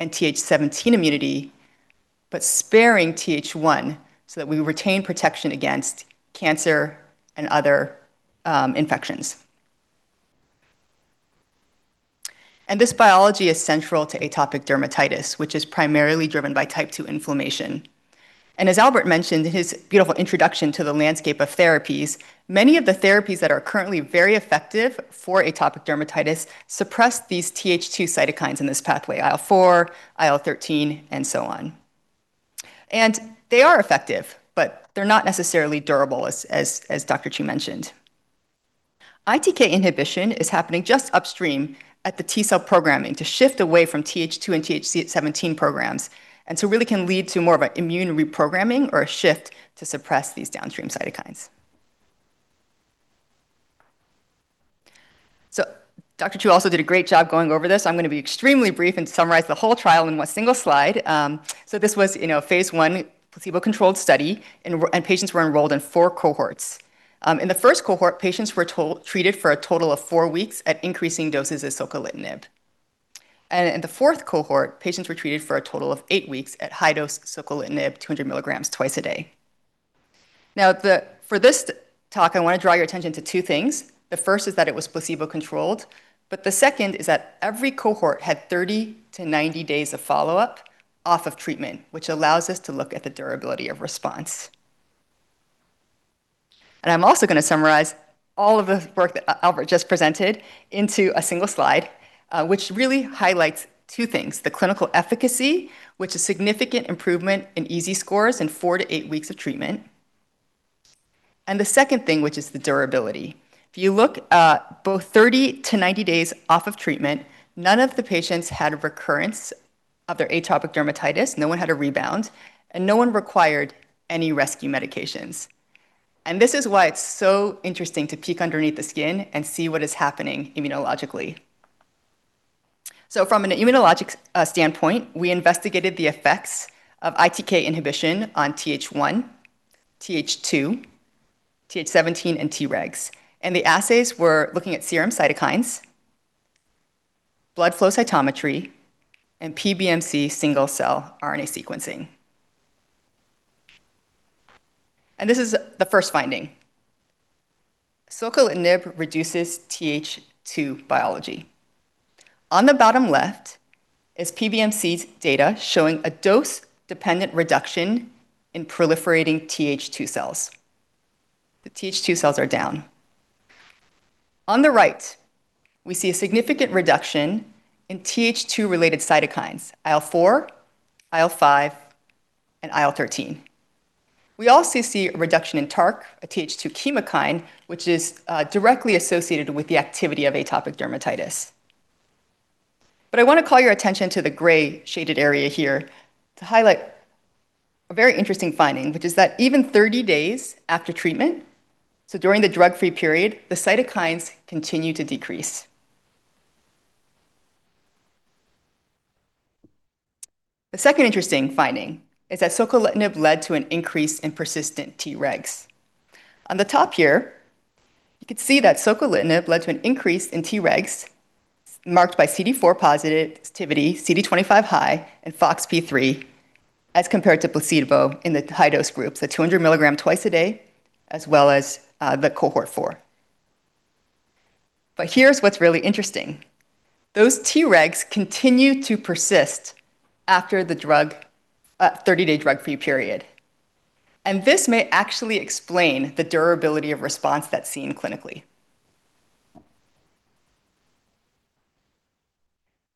and Th17 immunity, but sparing Th1 so that we retain protection against cancer and other infections. This biology is central to atopic dermatitis, which is primarily driven by type 2 inflammation. As Albert mentioned in his beautiful introduction to the landscape of therapies, many of the therapies that are currently very effective for atopic dermatitis suppress these Th2 cytokines in this pathway, IL-4, IL-13, and so on. They are effective, but they're not necessarily durable as Dr. Chiou mentioned. ITK inhibition is happening just upstream at the T-cell programming to shift away from Th2 and Th17 programs, and so really can lead to more of an immune reprogramming or a shift to suppress these downstream cytokines. Dr. Chiou also did a great job going over this. I'm gonna be extremely brief and summarize the whole trial in a single slide. This was, you know, a phase I placebo-controlled study and patients were enrolled in four cohorts. In the first cohort, patients were treated for a total of four weeks at increasing doses of soquelitinib. In the fourth cohort, patients were treated for a total of eight weeks at high-dose soquelitinib, 200 milligrams twice a day. Now, for this t-talk, I wanna draw your attention to twothings. The first is that it was placebo-controlled, but the second is that every cohort had 30-90 days of follow-up off of treatment, which allows us to look at the durability of response. I'm also gonna summarize all of the work that Albert just presented into a single slide, which really highlights two things, the clinical efficacy, which is significant improvement in EASI scores in four to eight weeks of treatment and the second thing, which is the durability. If you look, both 30 to 90 days off of treatment, none of the patients had a recurrence of their atopic dermatitis, no one had a rebound, and no one required any rescue medications. This is why it's so interesting to peek underneath the skin and see what is happening immunologically. From an immunologic standpoint, we investigated the effects of ITK inhibition on Th1, Th2, Th17, and Tregs. The assays were looking at serum cytokines, blood flow cytometry, and PBMC single-cell RNA sequencing. This is the first finding. Soquelitinib reduces Th2 biology. On the bottom left is PBMCs data showing a dose-dependent reduction in proliferating Th2 cells. The Th2 cells are down. On the right, we see a significant reduction in Th2-related cytokines, IL-4, IL-5, and IL-13. We also see a reduction in TARC, a Th2 chemokine, which is directly associated with the activity of atopic dermatitis. I wanna call your attention to the gray shaded area here to highlight a very interesting finding, which is that even 30 days after treatment, so during the drug-free period, the cytokines continue to decrease. The second interesting finding is that soquelitinib led to an increase in persistent Tregs. On the top here, you can see that soquelitinib led to an increase in Tregs marked by CD4 positivity, CD25 high, and Foxp3 as compared to placebo in the high-dose groups, the 200 milligram twice a day as well as the cohort 4. Here's what's really interesting. Those Tregs continue to persist after the 30-day drug-free period. This may actually explain the durability of response that's seen clinically.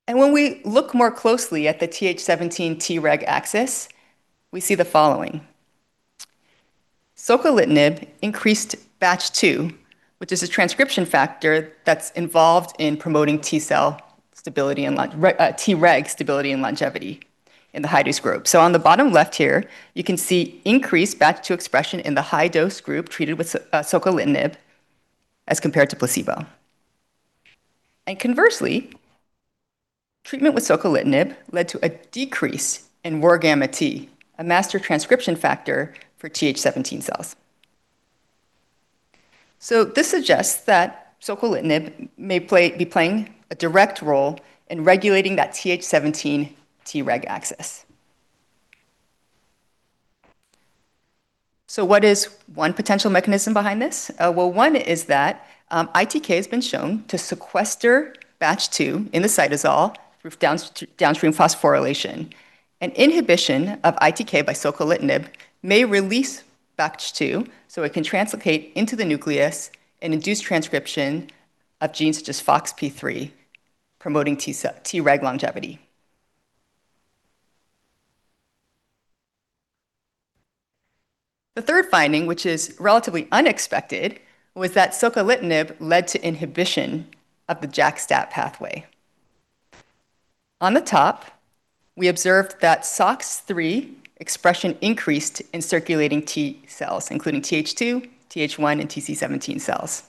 When we look more closely at the Th17 Treg axis, we see the following. Soquelitinib increased BACH2, which is a transcription factor that's involved in promoting T cell stability and Treg stability and longevity in the high-dose group. On the bottom left here, you can see increased BACH2 expression in the high-dose group treated with soquelitinib as compared to placebo. Conversely, treatment with soquelitinib led to a decrease in RORγt, a master transcription factor for Th17 cells. This suggests that soquelitinib may be playing a direct role in regulating that Th17 Treg axis. What is one potential mechanism behind this? Well, one is that ITK has been shown to sequester BACH2 in the cytosol through downstream phosphorylation. An inhibition of ITK by soquelitinib may release BACH2, so it can translocate into the nucleus and induce transcription of genes such as Foxp3, promoting Treg longevity. The third finding, which is relatively unexpected, was that soquelitinib led to inhibition of the JAK/STAT pathway. On the top, we observed that SOCS3 expression increased in circulating T cells, including Th2, Th1, and Tc17 cells.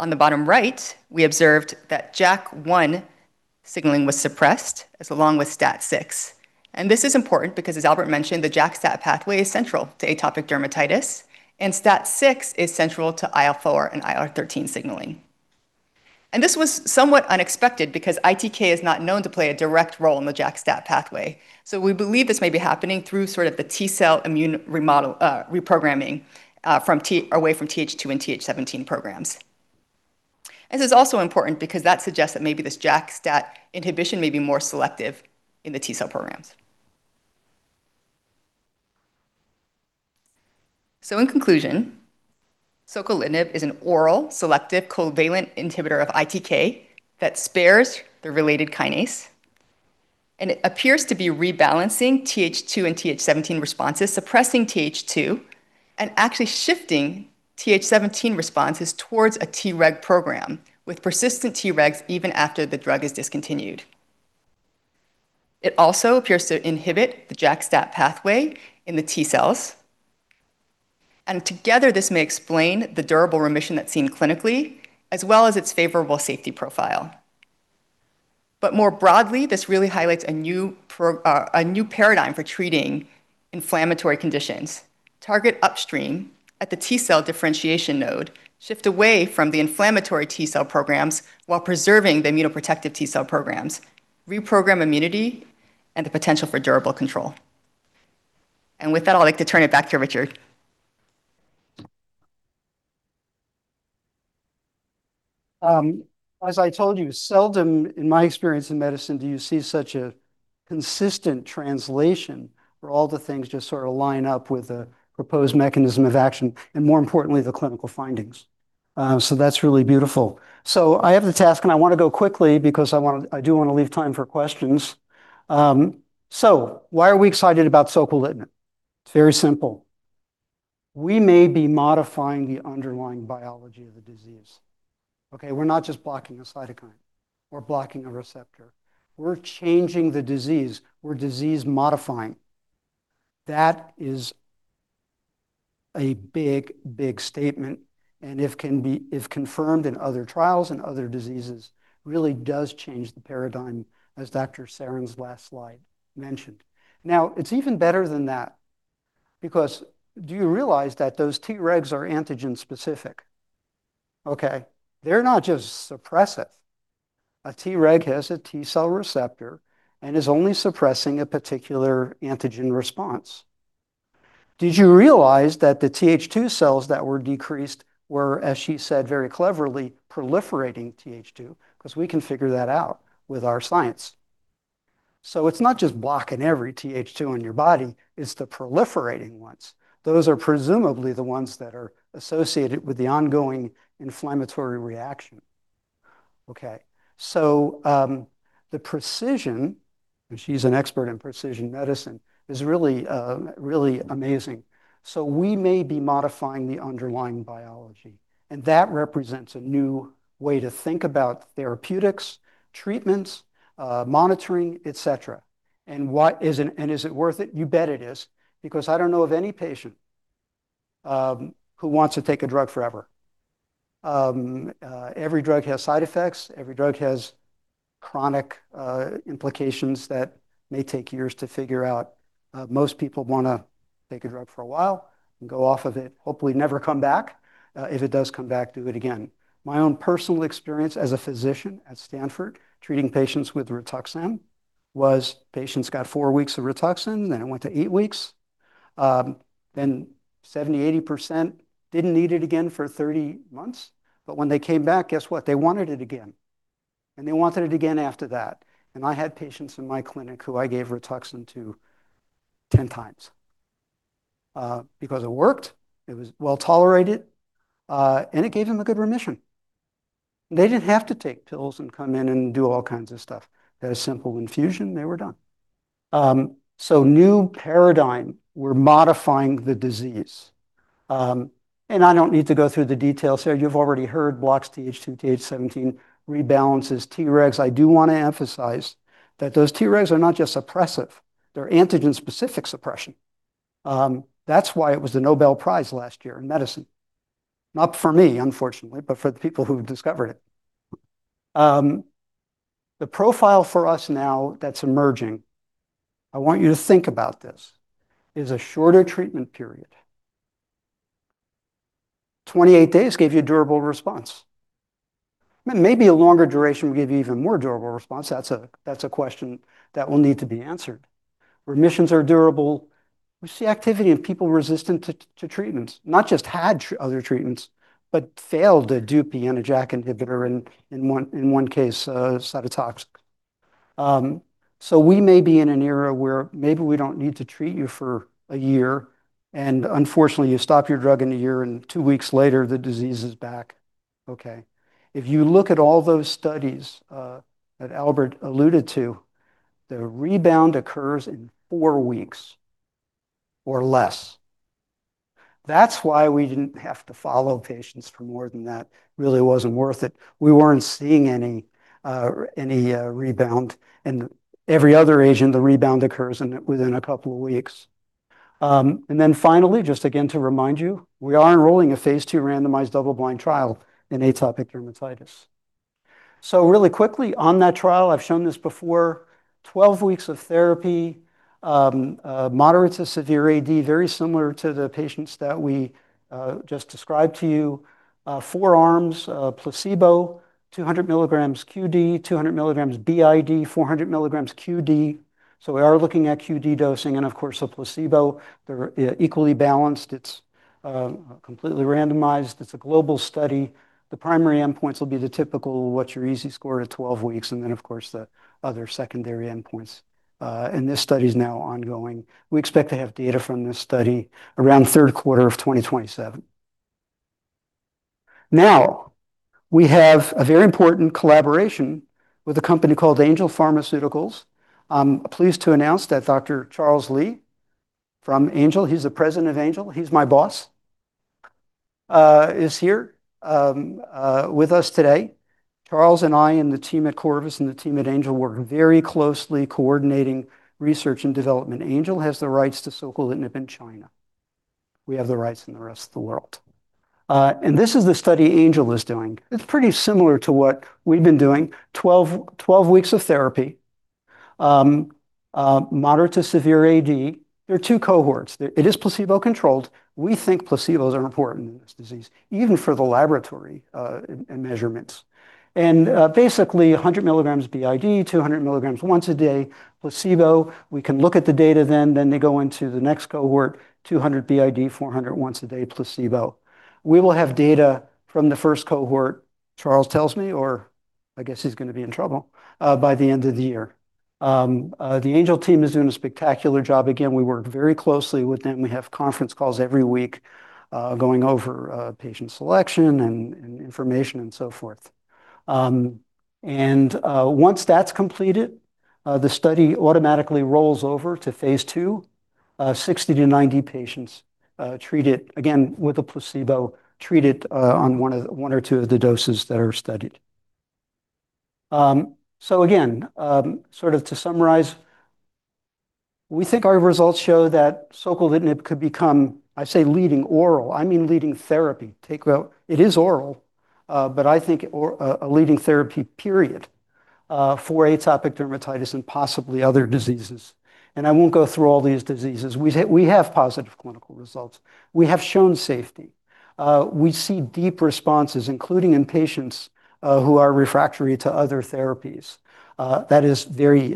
On the bottom right, we observed that JAK1 signaling was suppressed, along with STAT6. This is important because, as Albert mentioned, the JAK/STAT pathway is central to atopic dermatitis, and STAT6 is central to IL-4 and IL-13 signaling. This was somewhat unexpected because ITK is not known to play a direct role in the JAK/STAT pathway. We believe this may be happening through sort of the T cell immune reprogramming from T away from Th2 and Th17 programs. This is also important because that suggests that maybe this JAK/STAT inhibition may be more selective in the T cell programs. In conclusion, soquelitinib is an oral selective covalent inhibitor of ITK that spares the related kinase, and it appears to be rebalancing Th2 and Th17 responses, suppressing Th2 and actually shifting Th17 responses towards a Treg program, with persistent Tregs even after the drug is discontinued. It also appears to inhibit the JAK/STAT pathway in the T cells. Together, this may explain the durable remission that's seen clinically as well as its favorable safety profile. More broadly, this really highlights a new paradigm for treating inflammatory conditions. Target upstream at the T cell differentiation node, shift away from the inflammatory T cell programs while preserving the immunoprotective T cell programs, reprogram immunity and the potential for durable control. With that, I'd like to turn it back to Richard. As I told you, seldom in my experience in medicine do you see such a consistent translation where all the things just sort of line up with the proposed mechanism of action, and more importantly, the clinical findings. That's really beautiful. I have the task, and I do wanna leave time for questions. Why are we excited about soquelitinib? It's very simple. We may be modifying the underlying biology of the disease, okay? We're not just blocking a cytokine or blocking a receptor. We're changing the disease. We're disease modifying. That is a big, big statement, and if confirmed in other trials and other diseases, really does change the paradigm, as Dr. Sarin's last slide mentioned. It's even better than that because do you realize that those Tregs are antigen specific? Okay, they're not just suppressive. A Treg has a T cell receptor and is only suppressing a particular antigen response. Did you realize that the Th2 cells that were decreased were, as she said very cleverly, proliferating Th2? We can figure that out with our science. It's not just blocking every Th2 in your body, it's the proliferating ones. Those are presumably the ones that are associated with the ongoing inflammatory reaction, okay. The precision, and she's an expert in precision medicine, is really amazing. We may be modifying the underlying biology, and that represents a new way to think about therapeutics, treatments, monitoring, et cetera. Is it worth it? You bet it is because I don't know of any patient who wants to take a drug forever. Every drug has side effects. Every drug has chronic implications that may take years to figure out. Most people wanna take a drug for a while and go off of it, hopefully never come back. If it does come back, do it again. My own personal experience as a physician at Stanford treating patients with Rituxan was patients got four weeks of Rituxan, then it went to eight weeks. Then 70%, 80% didn't need it again for 30 months. When they came back, guess what? They wanted it again, and they wanted it again after that. I had patients in my clinic who I gave Rituxan to 10 times, because it worked, it was well-tolerated, and it gave them a good remission. They didn't have to take pills and come in and do all kinds of stuff. They had a simple infusion, they were done. New paradigm, we're modifying the disease. I don't need to go through the details here. You've already heard blocks Th2, Th17 rebalances Tregs. I do wanna emphasize that those Tregs are not just suppressive, they're antigen-specific suppression. That's why it was the Nobel Prize last year in medicine. Not for me, unfortunately, but for the people who discovered it. The profile for us now that's emerging, I want you to think about this, is a shorter treatment period. 28 days gave you a durable response. I mean, maybe a longer duration would give you even more durable response. That's a question that will need to be answered. Remissions are durable. We see activity of people resistant to treatments, not just had other treatments, but failed a dupilumab and a JAK inhibitor in one case, a cytotoxic. We may be in an era where maybe we don't need to treat you for a year, and unfortunately, you stop your drug in a year, and two weeks later the disease is back. Okay. If you look at all those studies that Albert alluded to, the rebound occurs in four weeks or less. That's why we didn't have to follow patients for more than that. Really wasn't worth it. We weren't seeing any rebound. Every other agent, the rebound occurs within a couple weeks. Finally, just again to remind you, we are enrolling a phase II randomized double blind trial in atopic dermatitis. Really quickly on that trial, I've shown this before, 12 weeks of therapy, moderate to severe AD, very similar to the patients that we just described to you. Four arms, placebo, 200 mg QD, 200 mg BID, 400 mg QD. We are looking at QD dosing and, of course, a placebo. They're equally balanced. It's completely randomized. It's a global study. The primary endpoints will be the typical what's your EASI score at 12 weeks and then, of course, the other secondary endpoints. This study's now ongoing. We expect to have data from this study around third quarter of 2027. We have a very important collaboration with a company called Angel Pharmaceuticals. I'm pleased to announce that Dr. Charles Lee from Angel, he's the president of Angel, he's my boss, is here with us today. Charles and I and the team at Corvus and the team at Angel were very closely coordinating research and development. Angel has the rights to soquelitinib in China. We have the rights in the rest of the world. This is the study Angel is doing. It's pretty similar to what we've been doing. 12 weeks of therapy. Moderate to severe AD. There are two cohorts. It is placebo controlled. We think placebos are important in this disease, even for the laboratory and measurements. Basically 100 milligrams BID, 200 milligrams once a day, placebo. We can look at the data then they go into the next cohort, 200 BID, 400 once a day placebo. We will have data from the first cohort, Charles tells me, or I guess he's gonna be in trouble, by the end of the year. The Angel team is doing a spectacular job. Again, we work very closely with them. We have conference calls every week, going over patient selection and information and so forth. Once that's completed, the study automatically rolls over to phase II, 60 to 90 patients, treated, again, with a placebo, treated on one or two of the doses that are studied. So again, sort of to summarize, we think our results show that soquelitinib could become, I say leading oral, I mean leading therapy. Take out It is oral, but I think or a leading therapy period, for atopic dermatitis and possibly other diseases. We have positive clinical results. We have shown safety. We see deep responses, including in patients who are refractory to other therapies. That is very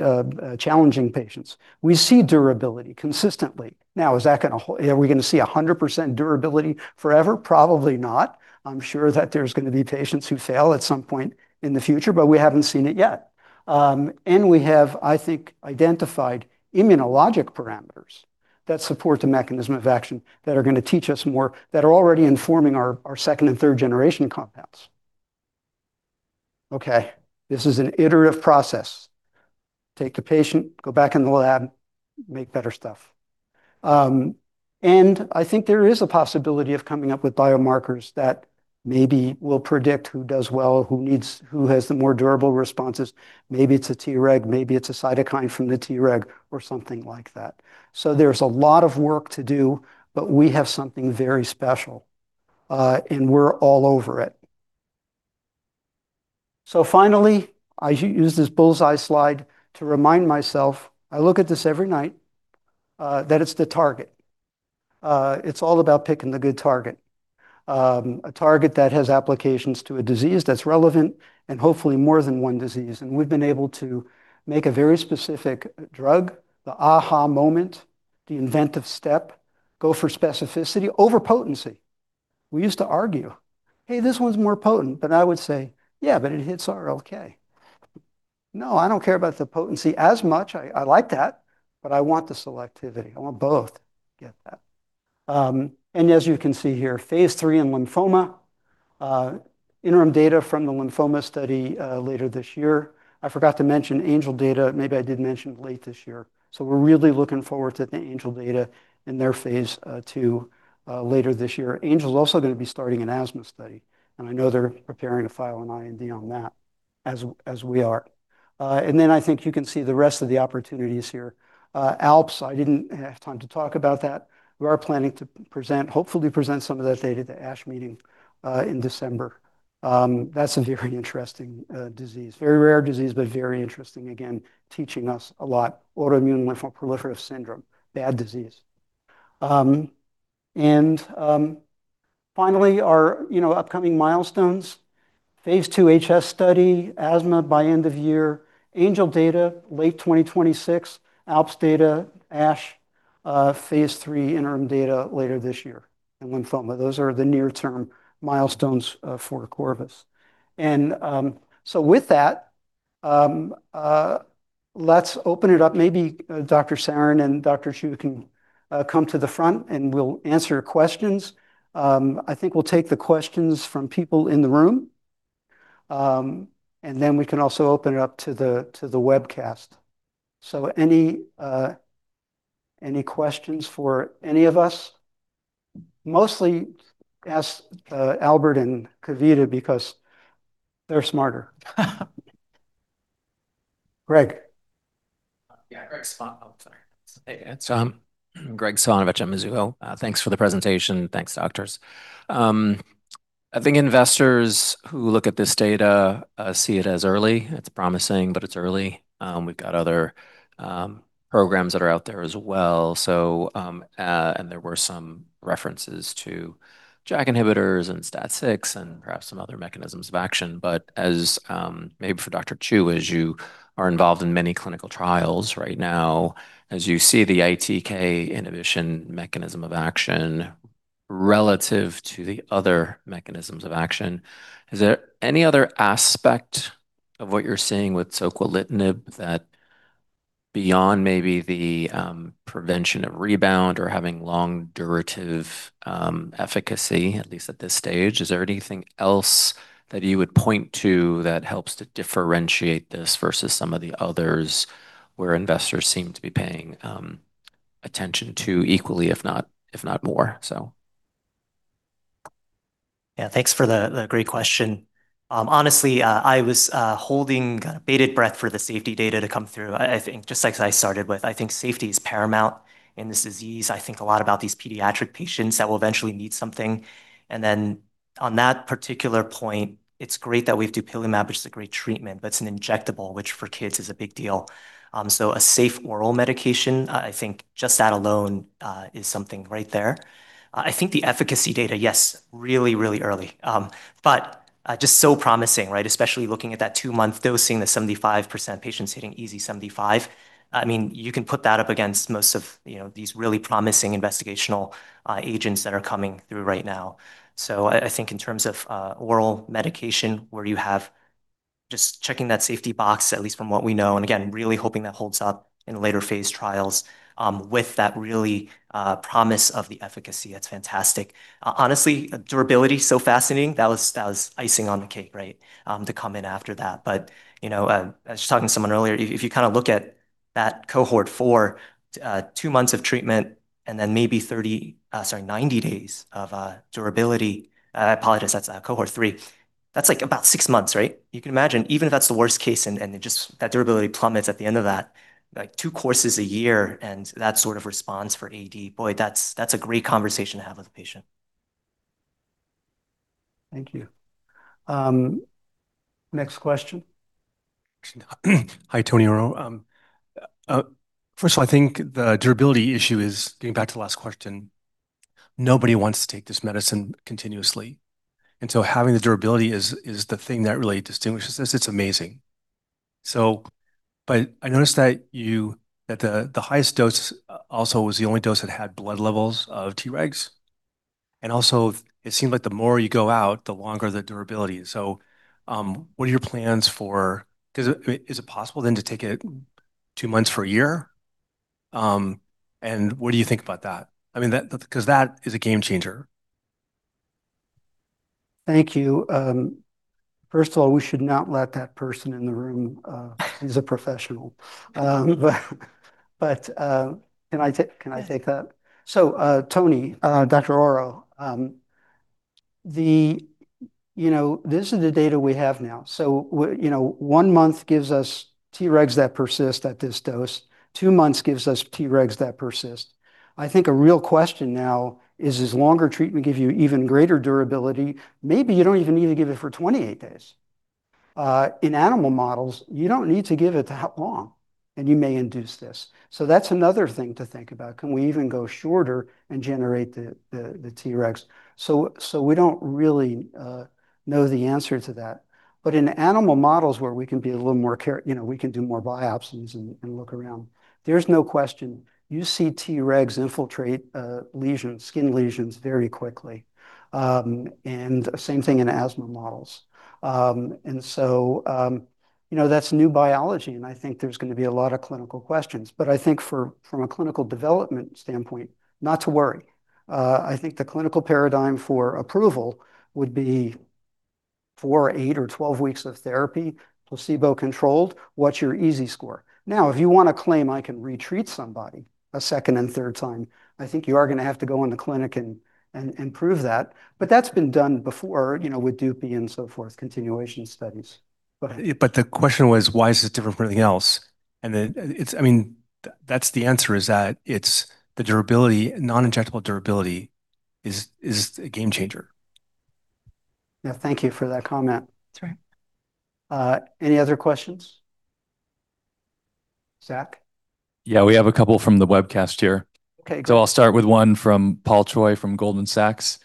challenging patients. We see durability consistently. Now, is that gonna are we gonna see 100% durability forever? Probably not. I'm sure that there's gonna be patients who fail at some point in the future, but we haven't seen it yet. We have, I think, identified immunologic parameters that support the mechanism of action that are gonna teach us more, that are already informing our second- and third-generation compounds. Okay, this is an iterative process. Take the patient, go back in the lab, make better stuff. I think there is a possibility of coming up with biomarkers that maybe will predict who does well, who has the more durable responses. Maybe it's a Treg, maybe it's a cytokine from the Treg, or something like that. There's a lot of work to do, but we have something very special, and we're all over it. Finally, I use this bull's-eye slide to remind myself, I look at this every night, that it's the target. It's all about picking the good target. A target that has applications to a disease that's relevant and hopefully more than one disease. We've been able to make a very specific drug, the aha moment, the inventive step. Go for specificity over potency. We used to argue, "Hey, this one's more potent." I would say, "Yeah, but it hits RLK." No, I don't care about the potency as much. I like that, but I want the selectivity. I want both to get that. As you can see here, phase III in lymphoma. Interim data from the lymphoma study later this year. I forgot to mention Angel data. Maybe I did mention late this year. We're really looking forward to the Angel data in their phase II later this year. Angel's also gonna be starting an asthma study, and I know they're preparing to file an IND on that as we are. I think you can see the rest of the opportunities here. ALPS, I didn't have time to talk about that. We are planning to present, hopefully present some of that data at the ASH meeting in December. That's a very interesting disease. Very rare disease, but very interesting. Again, teaching us a lot. Autoimmune lymphoproliferative syndrome. Bad disease. Finally our, you know, upcoming milestones. Phase II HS study, asthma by end of year. Angel data, late 2026. ALPS data, ASH, phase III interim data later this year in lymphoma. Those are the near-term milestones for Corvus. With that, let's open it up. Maybe Dr. Sarin and Dr. Chiou can come to the front, and we'll answer questions. I think we'll take the questions from people in the room. We can also open it up to the, to the webcast. Any questions for any of us? Mostly ask Albert and Kavita because they're smarter. Graig. Yeah, oh, sorry. Hey, it's Graig Suvannavejh from Mizuho. Thanks for the presentation. Thanks, doctors. I think investors who look at this data see it as early. It's promising, but it's early. We've got other programs that are out there as well. There were some references to JAK inhibitors and STAT6 and perhaps some other mechanisms of action. As maybe for Dr. Chiou, as you are involved in many clinical trials right now, as you see the ITK inhibition mechanism of action relative to the other mechanisms of action, is there any other aspect of what you're seeing with soquelitinib that beyond maybe the prevention of rebound or having long durative efficacy, at least at this stage, is there anything else that you would point to that helps to differentiate this versus some of the others where investors seem to be paying attention to equally, if not, if not more, so? Thanks for the great question. Honestly, I was holding kind of bated breath for the safety data to come through. I think, just like I started with, I think safety is paramount in this disease. I think a lot about these pediatric patients that will eventually need something. On that particular point, it's great that we have dupilumab, which is a great treatment, but it's an injectable, which for kids is a big deal. A safe oral medication, I think just that alone, is something right there. I think the efficacy data, yes, really early. Just so promising, right. Especially looking at that two-month, those seeing the 75%, patients hitting EASI 75. I mean, you can put that up against most of, you know, these really promising investigational agents that are coming through right now. I think in terms of oral medication where you have just checking that safety box, at least from what we know, and again, really hoping that holds up in later phase trials, with that really promise of the efficacy, that's fantastic. Honestly, durability, so fascinating. That was icing on the cake, right? To come in after that. You know, I was just talking to someone earlier, if you kind of look at that cohort 4, two months of treatment and then maybe 30, sorry, 90 days of durability. I apologize, that's cohort 3. That's like about six months, right? You can imagine, even if that's the worst case and it just, that durability plummets at the end of that, like two courses a year and that sort of response for AD, boy, that's a great conversation to have with a patient. Thank you. Next question. Hi, Tony Oro. First of all, I think the durability issue is, getting back to the last question, nobody wants to take this medicine continuously. Having the durability is the thing that really distinguishes this. It's amazing. I noticed that you that the highest dose also was the only dose that had blood levels of Tregs. It seemed like the more you go out, the longer the durability. What are your plans for, I mean, is it possible then to take it two months for one year? What do you think about that? I mean, that cause that is a game changer. Thank you. First of all, we should not let that person in the room. He's a professional. Can I take that? Tony, Dr. Oro, you know, this is the data we have now. One month gives us Tregs that persist at this dose. Two months gives us Tregs that persist. I think a real question now is, does longer treatment give you even greater durability? Maybe you don't even need to give it for 28 days. In animal models, you don't need to give it that long, and you may induce this. That's another thing to think about. Can we even go shorter and generate the Tregs? We don't really know the answer to that. In animal models where we can be a little more, you know, we can do more biopsies and look around, there's no question, you see Tregs infiltrate lesions, skin lesions very quickly. Same thing in asthma models. You know, that's new biology, and I think there's gonna be a lot of clinical questions. I think from a clinical development standpoint, not to worry. I think the clinical paradigm for approval would be four, eight, or 12 weeks of therapy, placebo controlled. What's your EASI score? Now, if you wanna claim I can retreat somebody a second and third time, I think you are gonna have to go in the clinic and, and prove that. That's been done before, you know, with dupilumab and so forth, continuation studies. Yeah, but the question was, why is this different from anything else? It's, I mean, that's the answer, is that it's the durability, non-injectable durability is a game changer. Yeah. Thank you for that comment. That's all right. Any other questions? Zack? Yeah. We have a couple from the webcast here. Okay, great. I'll start with one from Paul Choi from Goldman Sachs.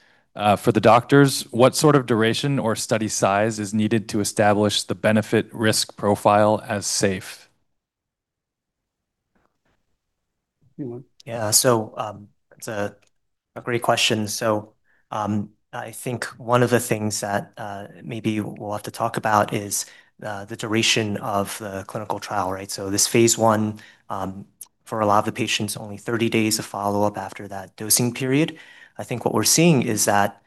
For the doctors, what sort of duration or study size is needed to establish the benefit risk profile as safe? Anyone? Yeah. It's a great question. I think one of the things that maybe we'll have to talk about is the duration of the clinical trial, right? This phase I. For a lot of the patients, only 30 days of follow-up after that dosing period. I think what we're seeing is that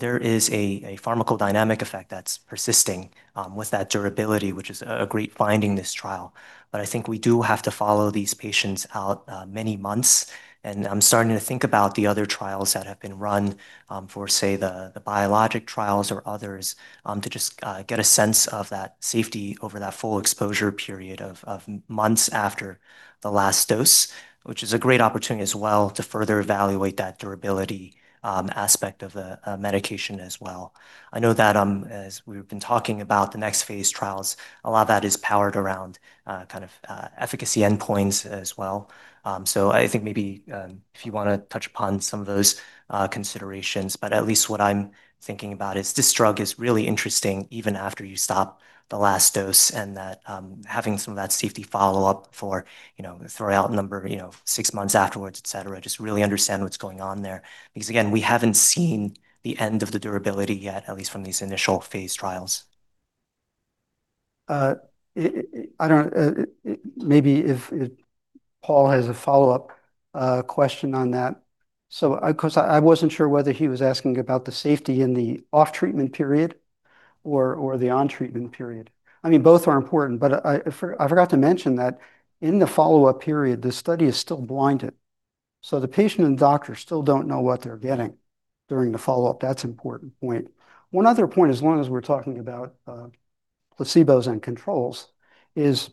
there is a pharmacodynamic effect that's persisting with that durability, which is a great finding this trial. I think we do have to follow these patients out many months. I'm starting to think about the other trials that have been run for, say, the biologic trials or others to just get a sense of that safety over that full exposure period of months after the last dose. Which is a great opportunity as well to further evaluate that durability aspect of the medication as well. I know that, as we've been talking about the next phase trials, a lot of that is powered around kind of efficacy endpoints as well. I think maybe, if you wanna touch upon some of those considerations. At least what I'm thinking about is this drug is really interesting even after you stop the last dose, and that, having some of that safety follow-up for, you know, throw out a number, you know, six months afterwards, et cetera, just really understand what's going on there. Again, we haven't seen the end of the durability yet, at least from these initial phase trials. I don't, maybe if Paul has a follow-up question on that. I wasn't sure whether he was asking about the safety in the off-treatment period or the on-treatment period. I mean, both are important, but I forgot to mention that in the follow-up period, the study is still blinded. The patient and doctor still don't know what they're getting during the follow-up. That's important point. One other point, as long as we're talking about placebos and controls, is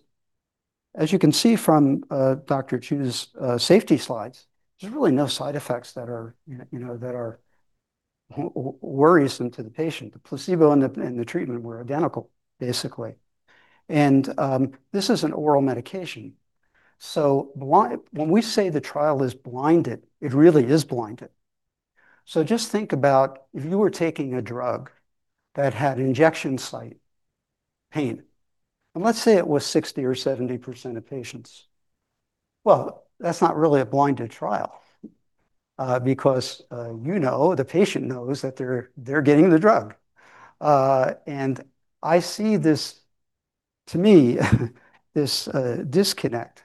as you can see from Dr. Chiou's safety slides, there's really no side effects that are, you know, that are worrisome to the patient. The placebo and the treatment were identical, basically. This is an oral medication. When we say the trial is blinded, it really is blinded. Just think about if you were taking a drug that had injection site pain, and let's say it was 60% or 70% of patients. Well, that's not really a blinded trial, because, you know, the patient knows that they're getting the drug. And I see this, to me, this disconnect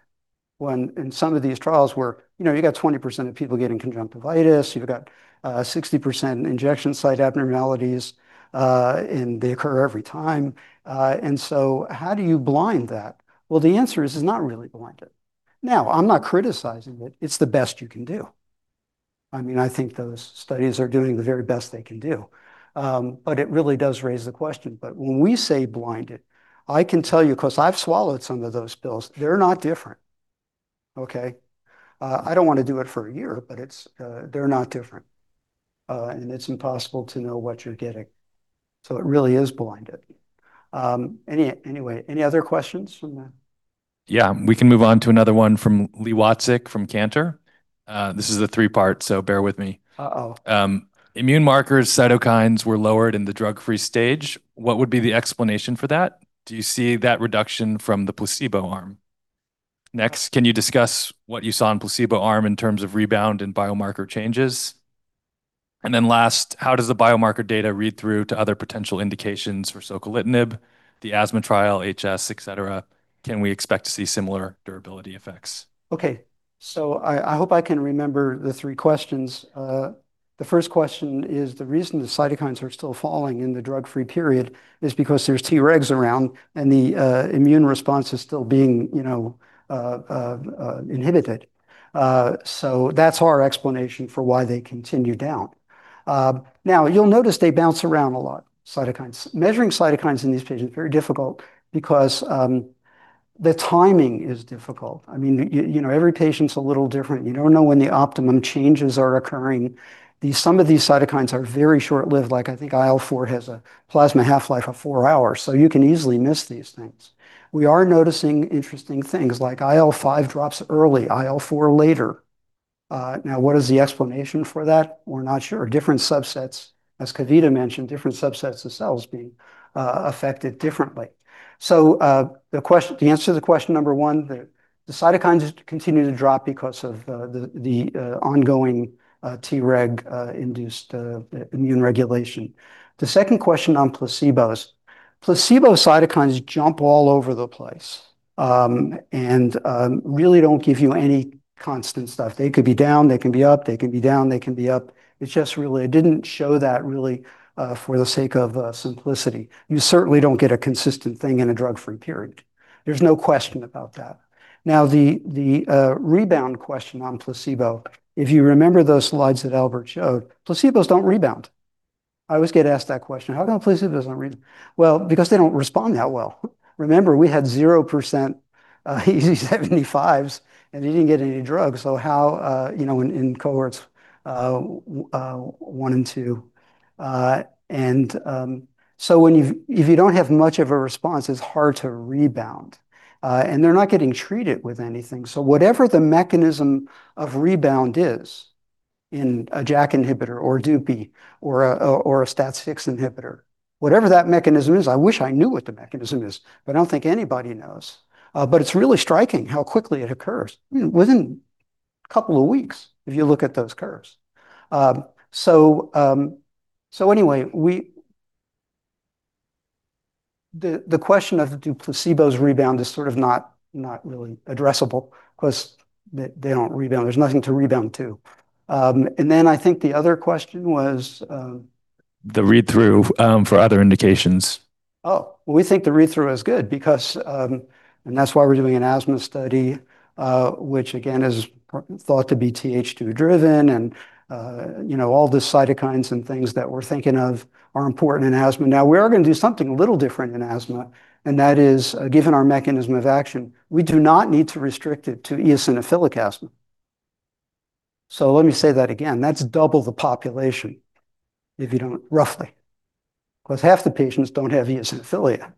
when in some of these trials where, you know, you got 20% of people getting conjunctivitis, you've got 60% injection site abnormalities, and they occur every time. How do you blind that? Well, the answer is it's not really blinded. Now, I'm not criticizing it. It's the best you can do. I mean, I think those studies are doing the very best they can do. It really does raise the question. When we say blinded, I can tell you, 'cause I've swallowed some of those pills, they're not different. Okay? I don't wanna do it for a year, but it's, they're not different. It's impossible to know what you're getting. It really is blinded. Anyway, any other questions from the- Yeah. We can move on to another one from Li Watsek from Cantor. This is a three-part, bear with me. Uh-oh. Immune markers, cytokines were lowered in the drug-free stage. What would be the explanation for that? Do you see that reduction from the placebo arm? Can you discuss what you saw in placebo arm in terms of rebound and biomarker changes? Last, how does the biomarker data read through to other potential indications for soquelitinib, the asthma trial, HS, et cetera? Can we expect to see similar durability effects? Okay. I hope I can remember the three questions. The first question is the reason the cytokines are still falling in the drug-free period is because there's Tregs around and the immune response is still being, you know, inhibited. That's our explanation for why they continue down. You'll notice they bounce around a lot, cytokines. Measuring cytokines in these patients is very difficult because the timing is difficult. I mean, you know, every patient's a little different. You don't know when the optimum changes are occurring. Some of these cytokines are very short-lived. Like, I think IL-4 has a plasma half-life of four hours, so you can easily miss these things. We are noticing interesting things like IL-5 drops early, IL-4 later. What is the explanation for that? We're not sure. Different subsets, as Kavita mentioned, different subsets of cells being affected differently. The answer to the question number one, the cytokines continue to drop because of the ongoing Treg induced immune regulation. The second question on placebos. Placebo cytokines jump all over the place, really don't give you any constant stuff. They could be down, they can be up, they can be down, they can be up. I didn't show that really for the sake of simplicity. You certainly don't get a consistent thing in a drug-free period. There's no question about that. The rebound question on placebo. If you remember those slides that Albert showed, placebos don't rebound. I always get asked that question, "How come placebos don't rebound?" Well, because they don't respond that well. Remember, we had 0% EASI 75s, and they didn't get any drugs, so how, you know, in cohorts 1 and 2. If you don't have much of a response, it's hard to rebound. They're not getting treated with anything. Whatever the mechanism of rebound is in a JAK inhibitor or a [dupi]or a STAT6 inhibitor, whatever that mechanism is, I wish I knew what the mechanism is, but I don't think anybody knows. It's really striking how quickly it occurs. I mean, within a couple weeks if you look at those curves. Anyway, the question of do placebos rebound is sort of not really addressable 'cause they don't rebound. There's nothing to rebound to. I think the other question was. The read-through for other indications. We think the read-through is good because. That's why we're doing an asthma study, which again is thought to be Th2 driven and, you know, all the cytokines and things that we're thinking of are important in asthma. We are gonna do something a little different in asthma, and that is, given our mechanism of action, we do not need to restrict it to eosinophilic asthma. Let me say that again. That's double the population roughly. Because half the patients don't have eosinophilia.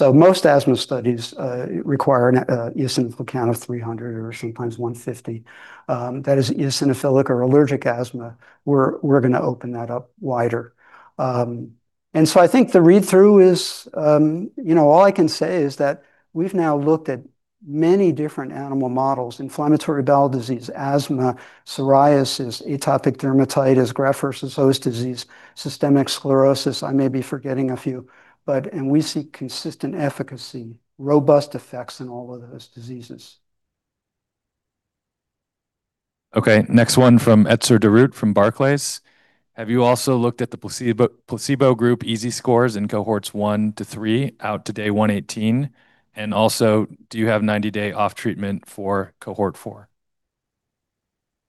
Most asthma studies require an eosinophil count of 300 or sometimes 150. That is eosinophilic or allergic asthma. We're gonna open that up wider. And so I think the read-through is, You know, all I can say is that we've now looked at many different animal models, inflammatory bowel disease, asthma, psoriasis, atopic dermatitis, graft versus host disease, systemic sclerosis. I may be forgetting a few. We see consistent efficacy, robust effects in all of those diseases. Okay. Next one from Etzer Darout from Barclays. Have you also looked at the placebo group EASI scores in cohorts 1 to 3 out to day 118? Also, do you have 90-day off treatment for cohort 4?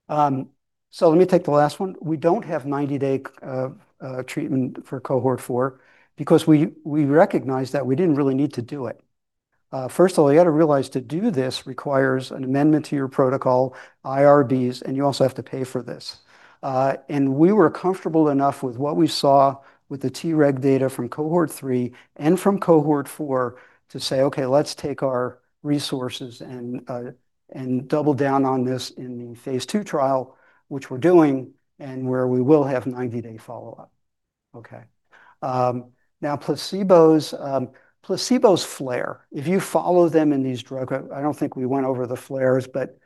Let me take the last one. We don't have 90-day treatment for cohort 4 because we recognized that we didn't really need to do it. First of all, you gotta realize to do this requires an amendment to your protocol, IRBs, and you also have to pay for this. We were comfortable enough with what we saw with the Treg data from cohort 3 and from cohort 4 to say, "Okay, let's take our resources and double down on this in the phase II trial," which we're doing and where we will have 90-day follow-up. Okay. Placebos, placebos flare. If you follow them in these I don't think we went over the flares, but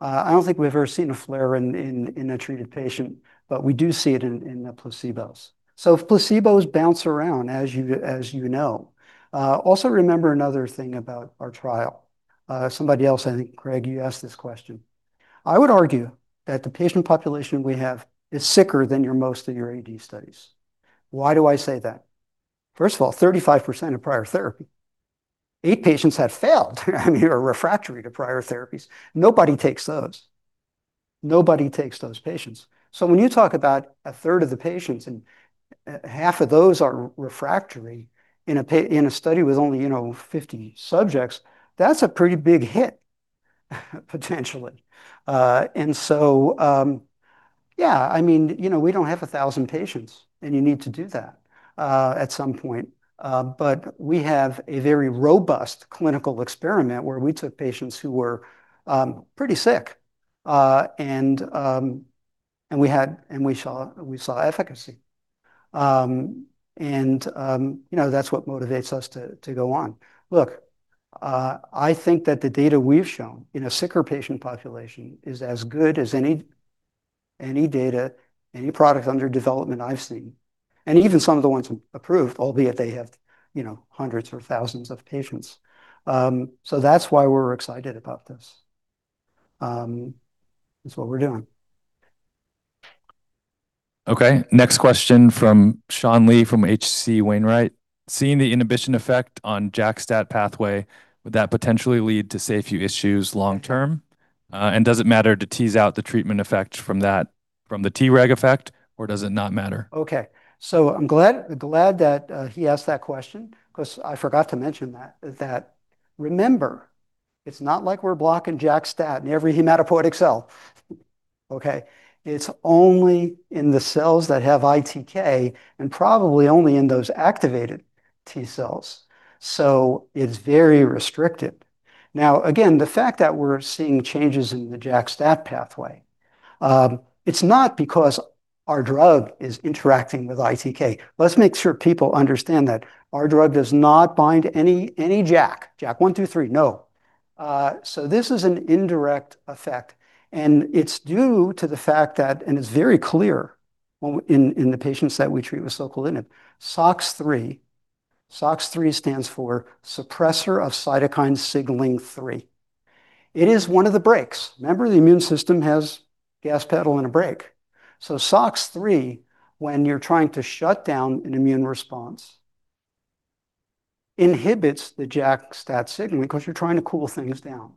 I don't think we've ever seen a flare in a treated patient, but we do see it in the placebos. If placebos bounce around, as you know. Also remember another thing about our trial. Somebody else, I think, Graig, you asked this question. I would argue that the patient population we have is sicker than most of your AD studies. Why do I say that? First of all, 35% are prior therapy. Eight patients had failed, I mean, or refractory to prior therapies. Nobody takes those. Nobody takes those patients. When you talk about a third of the patients and half of those are refractory in a study with only, you know, 50 subjects, that's a pretty big hit, potentially. Yeah, I mean, you know, we don't have 1,000 patients, and you need to do that at some point. We have a very robust clinical experiment where we took patients who were pretty sick, and we saw efficacy. You know, that's what motivates us to go on. I think that the data we've shown in a sicker patient population is as good as any data, any product under development I've seen. Even some of the ones approved, albeit they have, you know, hundreds or thousands of patients. That's why we're excited about this. That's what we're doing. Okay. Next question from Sean Lee from H.C. Wainwright. Seeing the inhibition effect on JAK/STAT pathway, would that potentially lead to safety issues long term? Does it matter to tease out the treatment effect from the Treg effect, or does it not matter? I'm glad that he asked that question 'cause I forgot to mention that remember, it's not like we're blocking JAK/STAT in every hematopoietic cell. It's only in the cells that have ITK and probably only in those activated T cells. It's very restricted. Again, the fact that we're seeing changes in the JAK-STAT pathway, it's not because our drug is interacting with ITK. Let's make sure people understand that. Our drug does not bind any JAK. JAK 1, 2, 3. No. This is an indirect effect, and it's due to the fact that, and it's very clear when we in the patients that we treat with soquelitinib. SOCS3 stands for Suppressor of Cytokine Signaling 3. It is 1 of the brakes. Remember, the immune system has gas pedal and a brake. SOCS3, when you're trying to shut down an immune response, inhibits the JAK-STAT signaling because you're trying to cool things down.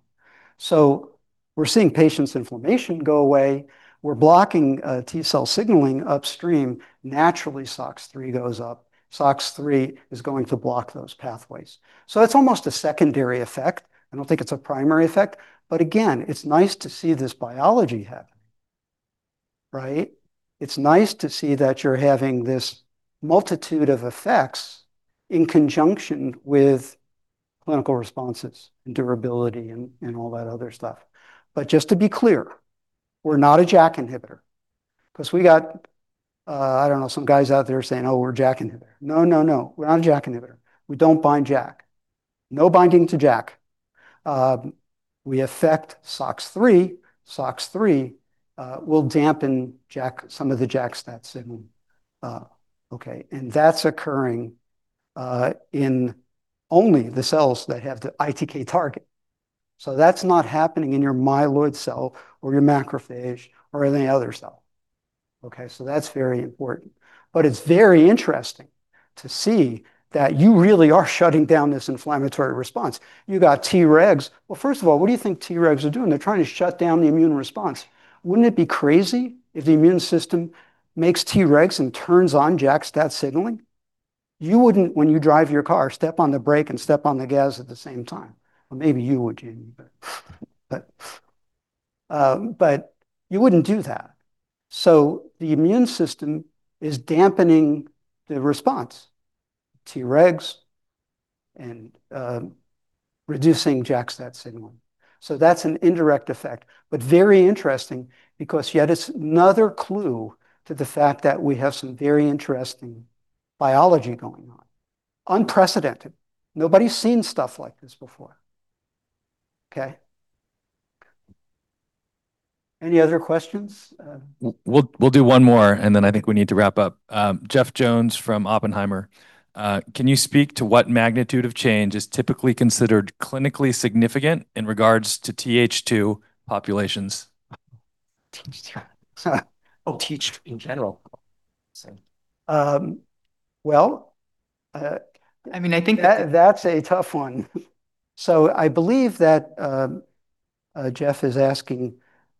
We're seeing patients' inflammation go away. We're blocking T cell signaling upstream. Naturally, SOCS3 goes up. SOCS3 is going to block those pathways. That's almost a secondary effect. I don't think it's a primary effect. Again, it's nice to see this biology happen, right? It's nice to see that you're having this multitude of effects in conjunction with clinical responses and durability and all that other stuff. Just to be clear, we're not a JAK inhibitor. Some guys out there saying, "Oh, we're a JAK inhibitor." No, we're not a JAK inhibitor. We don't bind JAK. No binding to JAK. We affect SOCS3. SOCS3 will dampen JAK, some of the JAK/STAT signal. Okay, that's occurring in only the cells that have the ITK target. That's not happening in your myeloid cell or your macrophage or any other cell. Okay? That's very important. It's very interesting to see that you really are shutting down this inflammatory response. You got Tregs. Well, first of all, what do you think Tregs are doing? They're trying to shut down the immune response. Wouldn't it be crazy if the immune system makes Tregs and turns on JAK-STAT signaling? You wouldn't, when you drive your car, step on the brake and step on the gas at the same time. Well, maybe you would, Jimmy, but you wouldn't do that. The immune system is dampening the response, Tregs and reducing JAK-STAT signaling. That's an indirect effect, but very interesting because yet it's another clue to the fact that we have some very interesting biology going on. Unprecedented. Nobody's seen stuff like this before. Okay? Any other questions? We'll do one more, and then I think we need to wrap up. Jeff Jones from Oppenheimer. Can you speak to what magnitude of change is typically considered clinically significant in regards to Th2 populations? Th2. Oh, Th2 in general. Well. I mean. That's a tough one. I believe that Jeff is asking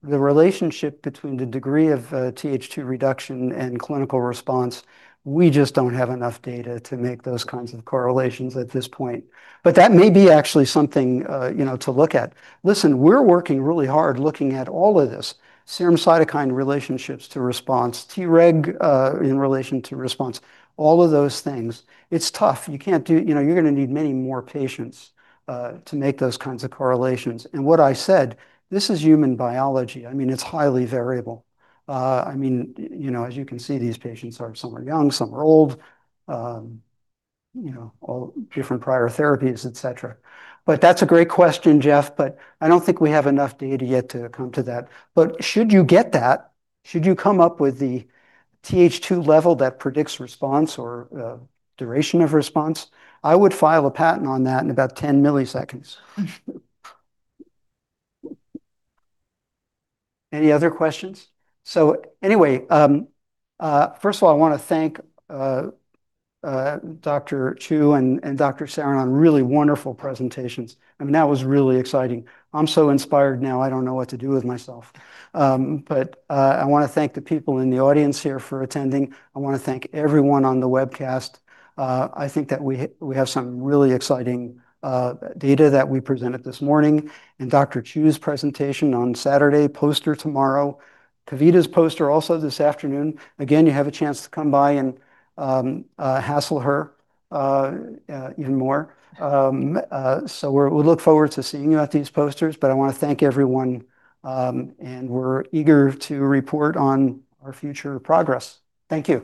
the relationship between the degree of Th2 reduction and clinical response. We just don't have enough data to make those kinds of correlations at this point. That may be actually something, you know, to look at. Listen, we're working really hard looking at all of this, serum cytokine relationships to response, Treg in relation to response, all of those things. It's tough. You know, you're gonna need many more patients to make those kinds of correlations. What I said, this is human biology. I mean, it's highly variable. I mean, you know, as you can see, these patients are, some are young, some are old, you know, all different prior therapies, et cetera. That's a great question, Jeff, I don't think we have enough data yet to come to that. Should you get that, should you come up with the Th2 level that predicts response or duration of response, I would file a patent on that in about 10 milliseconds. Any other questions? Anyway, first of all, I wanna thank Dr. Chiou and Dr. Sarin on really wonderful presentations. I mean, that was really exciting. I'm so inspired now, I don't know what to do with myself. I wanna thank the people in the audience here for attending. I wanna thank everyone on the webcast. I think that we have some really exciting data that we presented this morning, and Dr. Chiou's presentation on Saturday, poster tomorrow. Kavita's poster also this afternoon. Again, you have a chance to come by and hassle her even more. We look forward to seeing you at these posters, but I wanna thank everyone, and we're eager to report on our future progress. Thank you.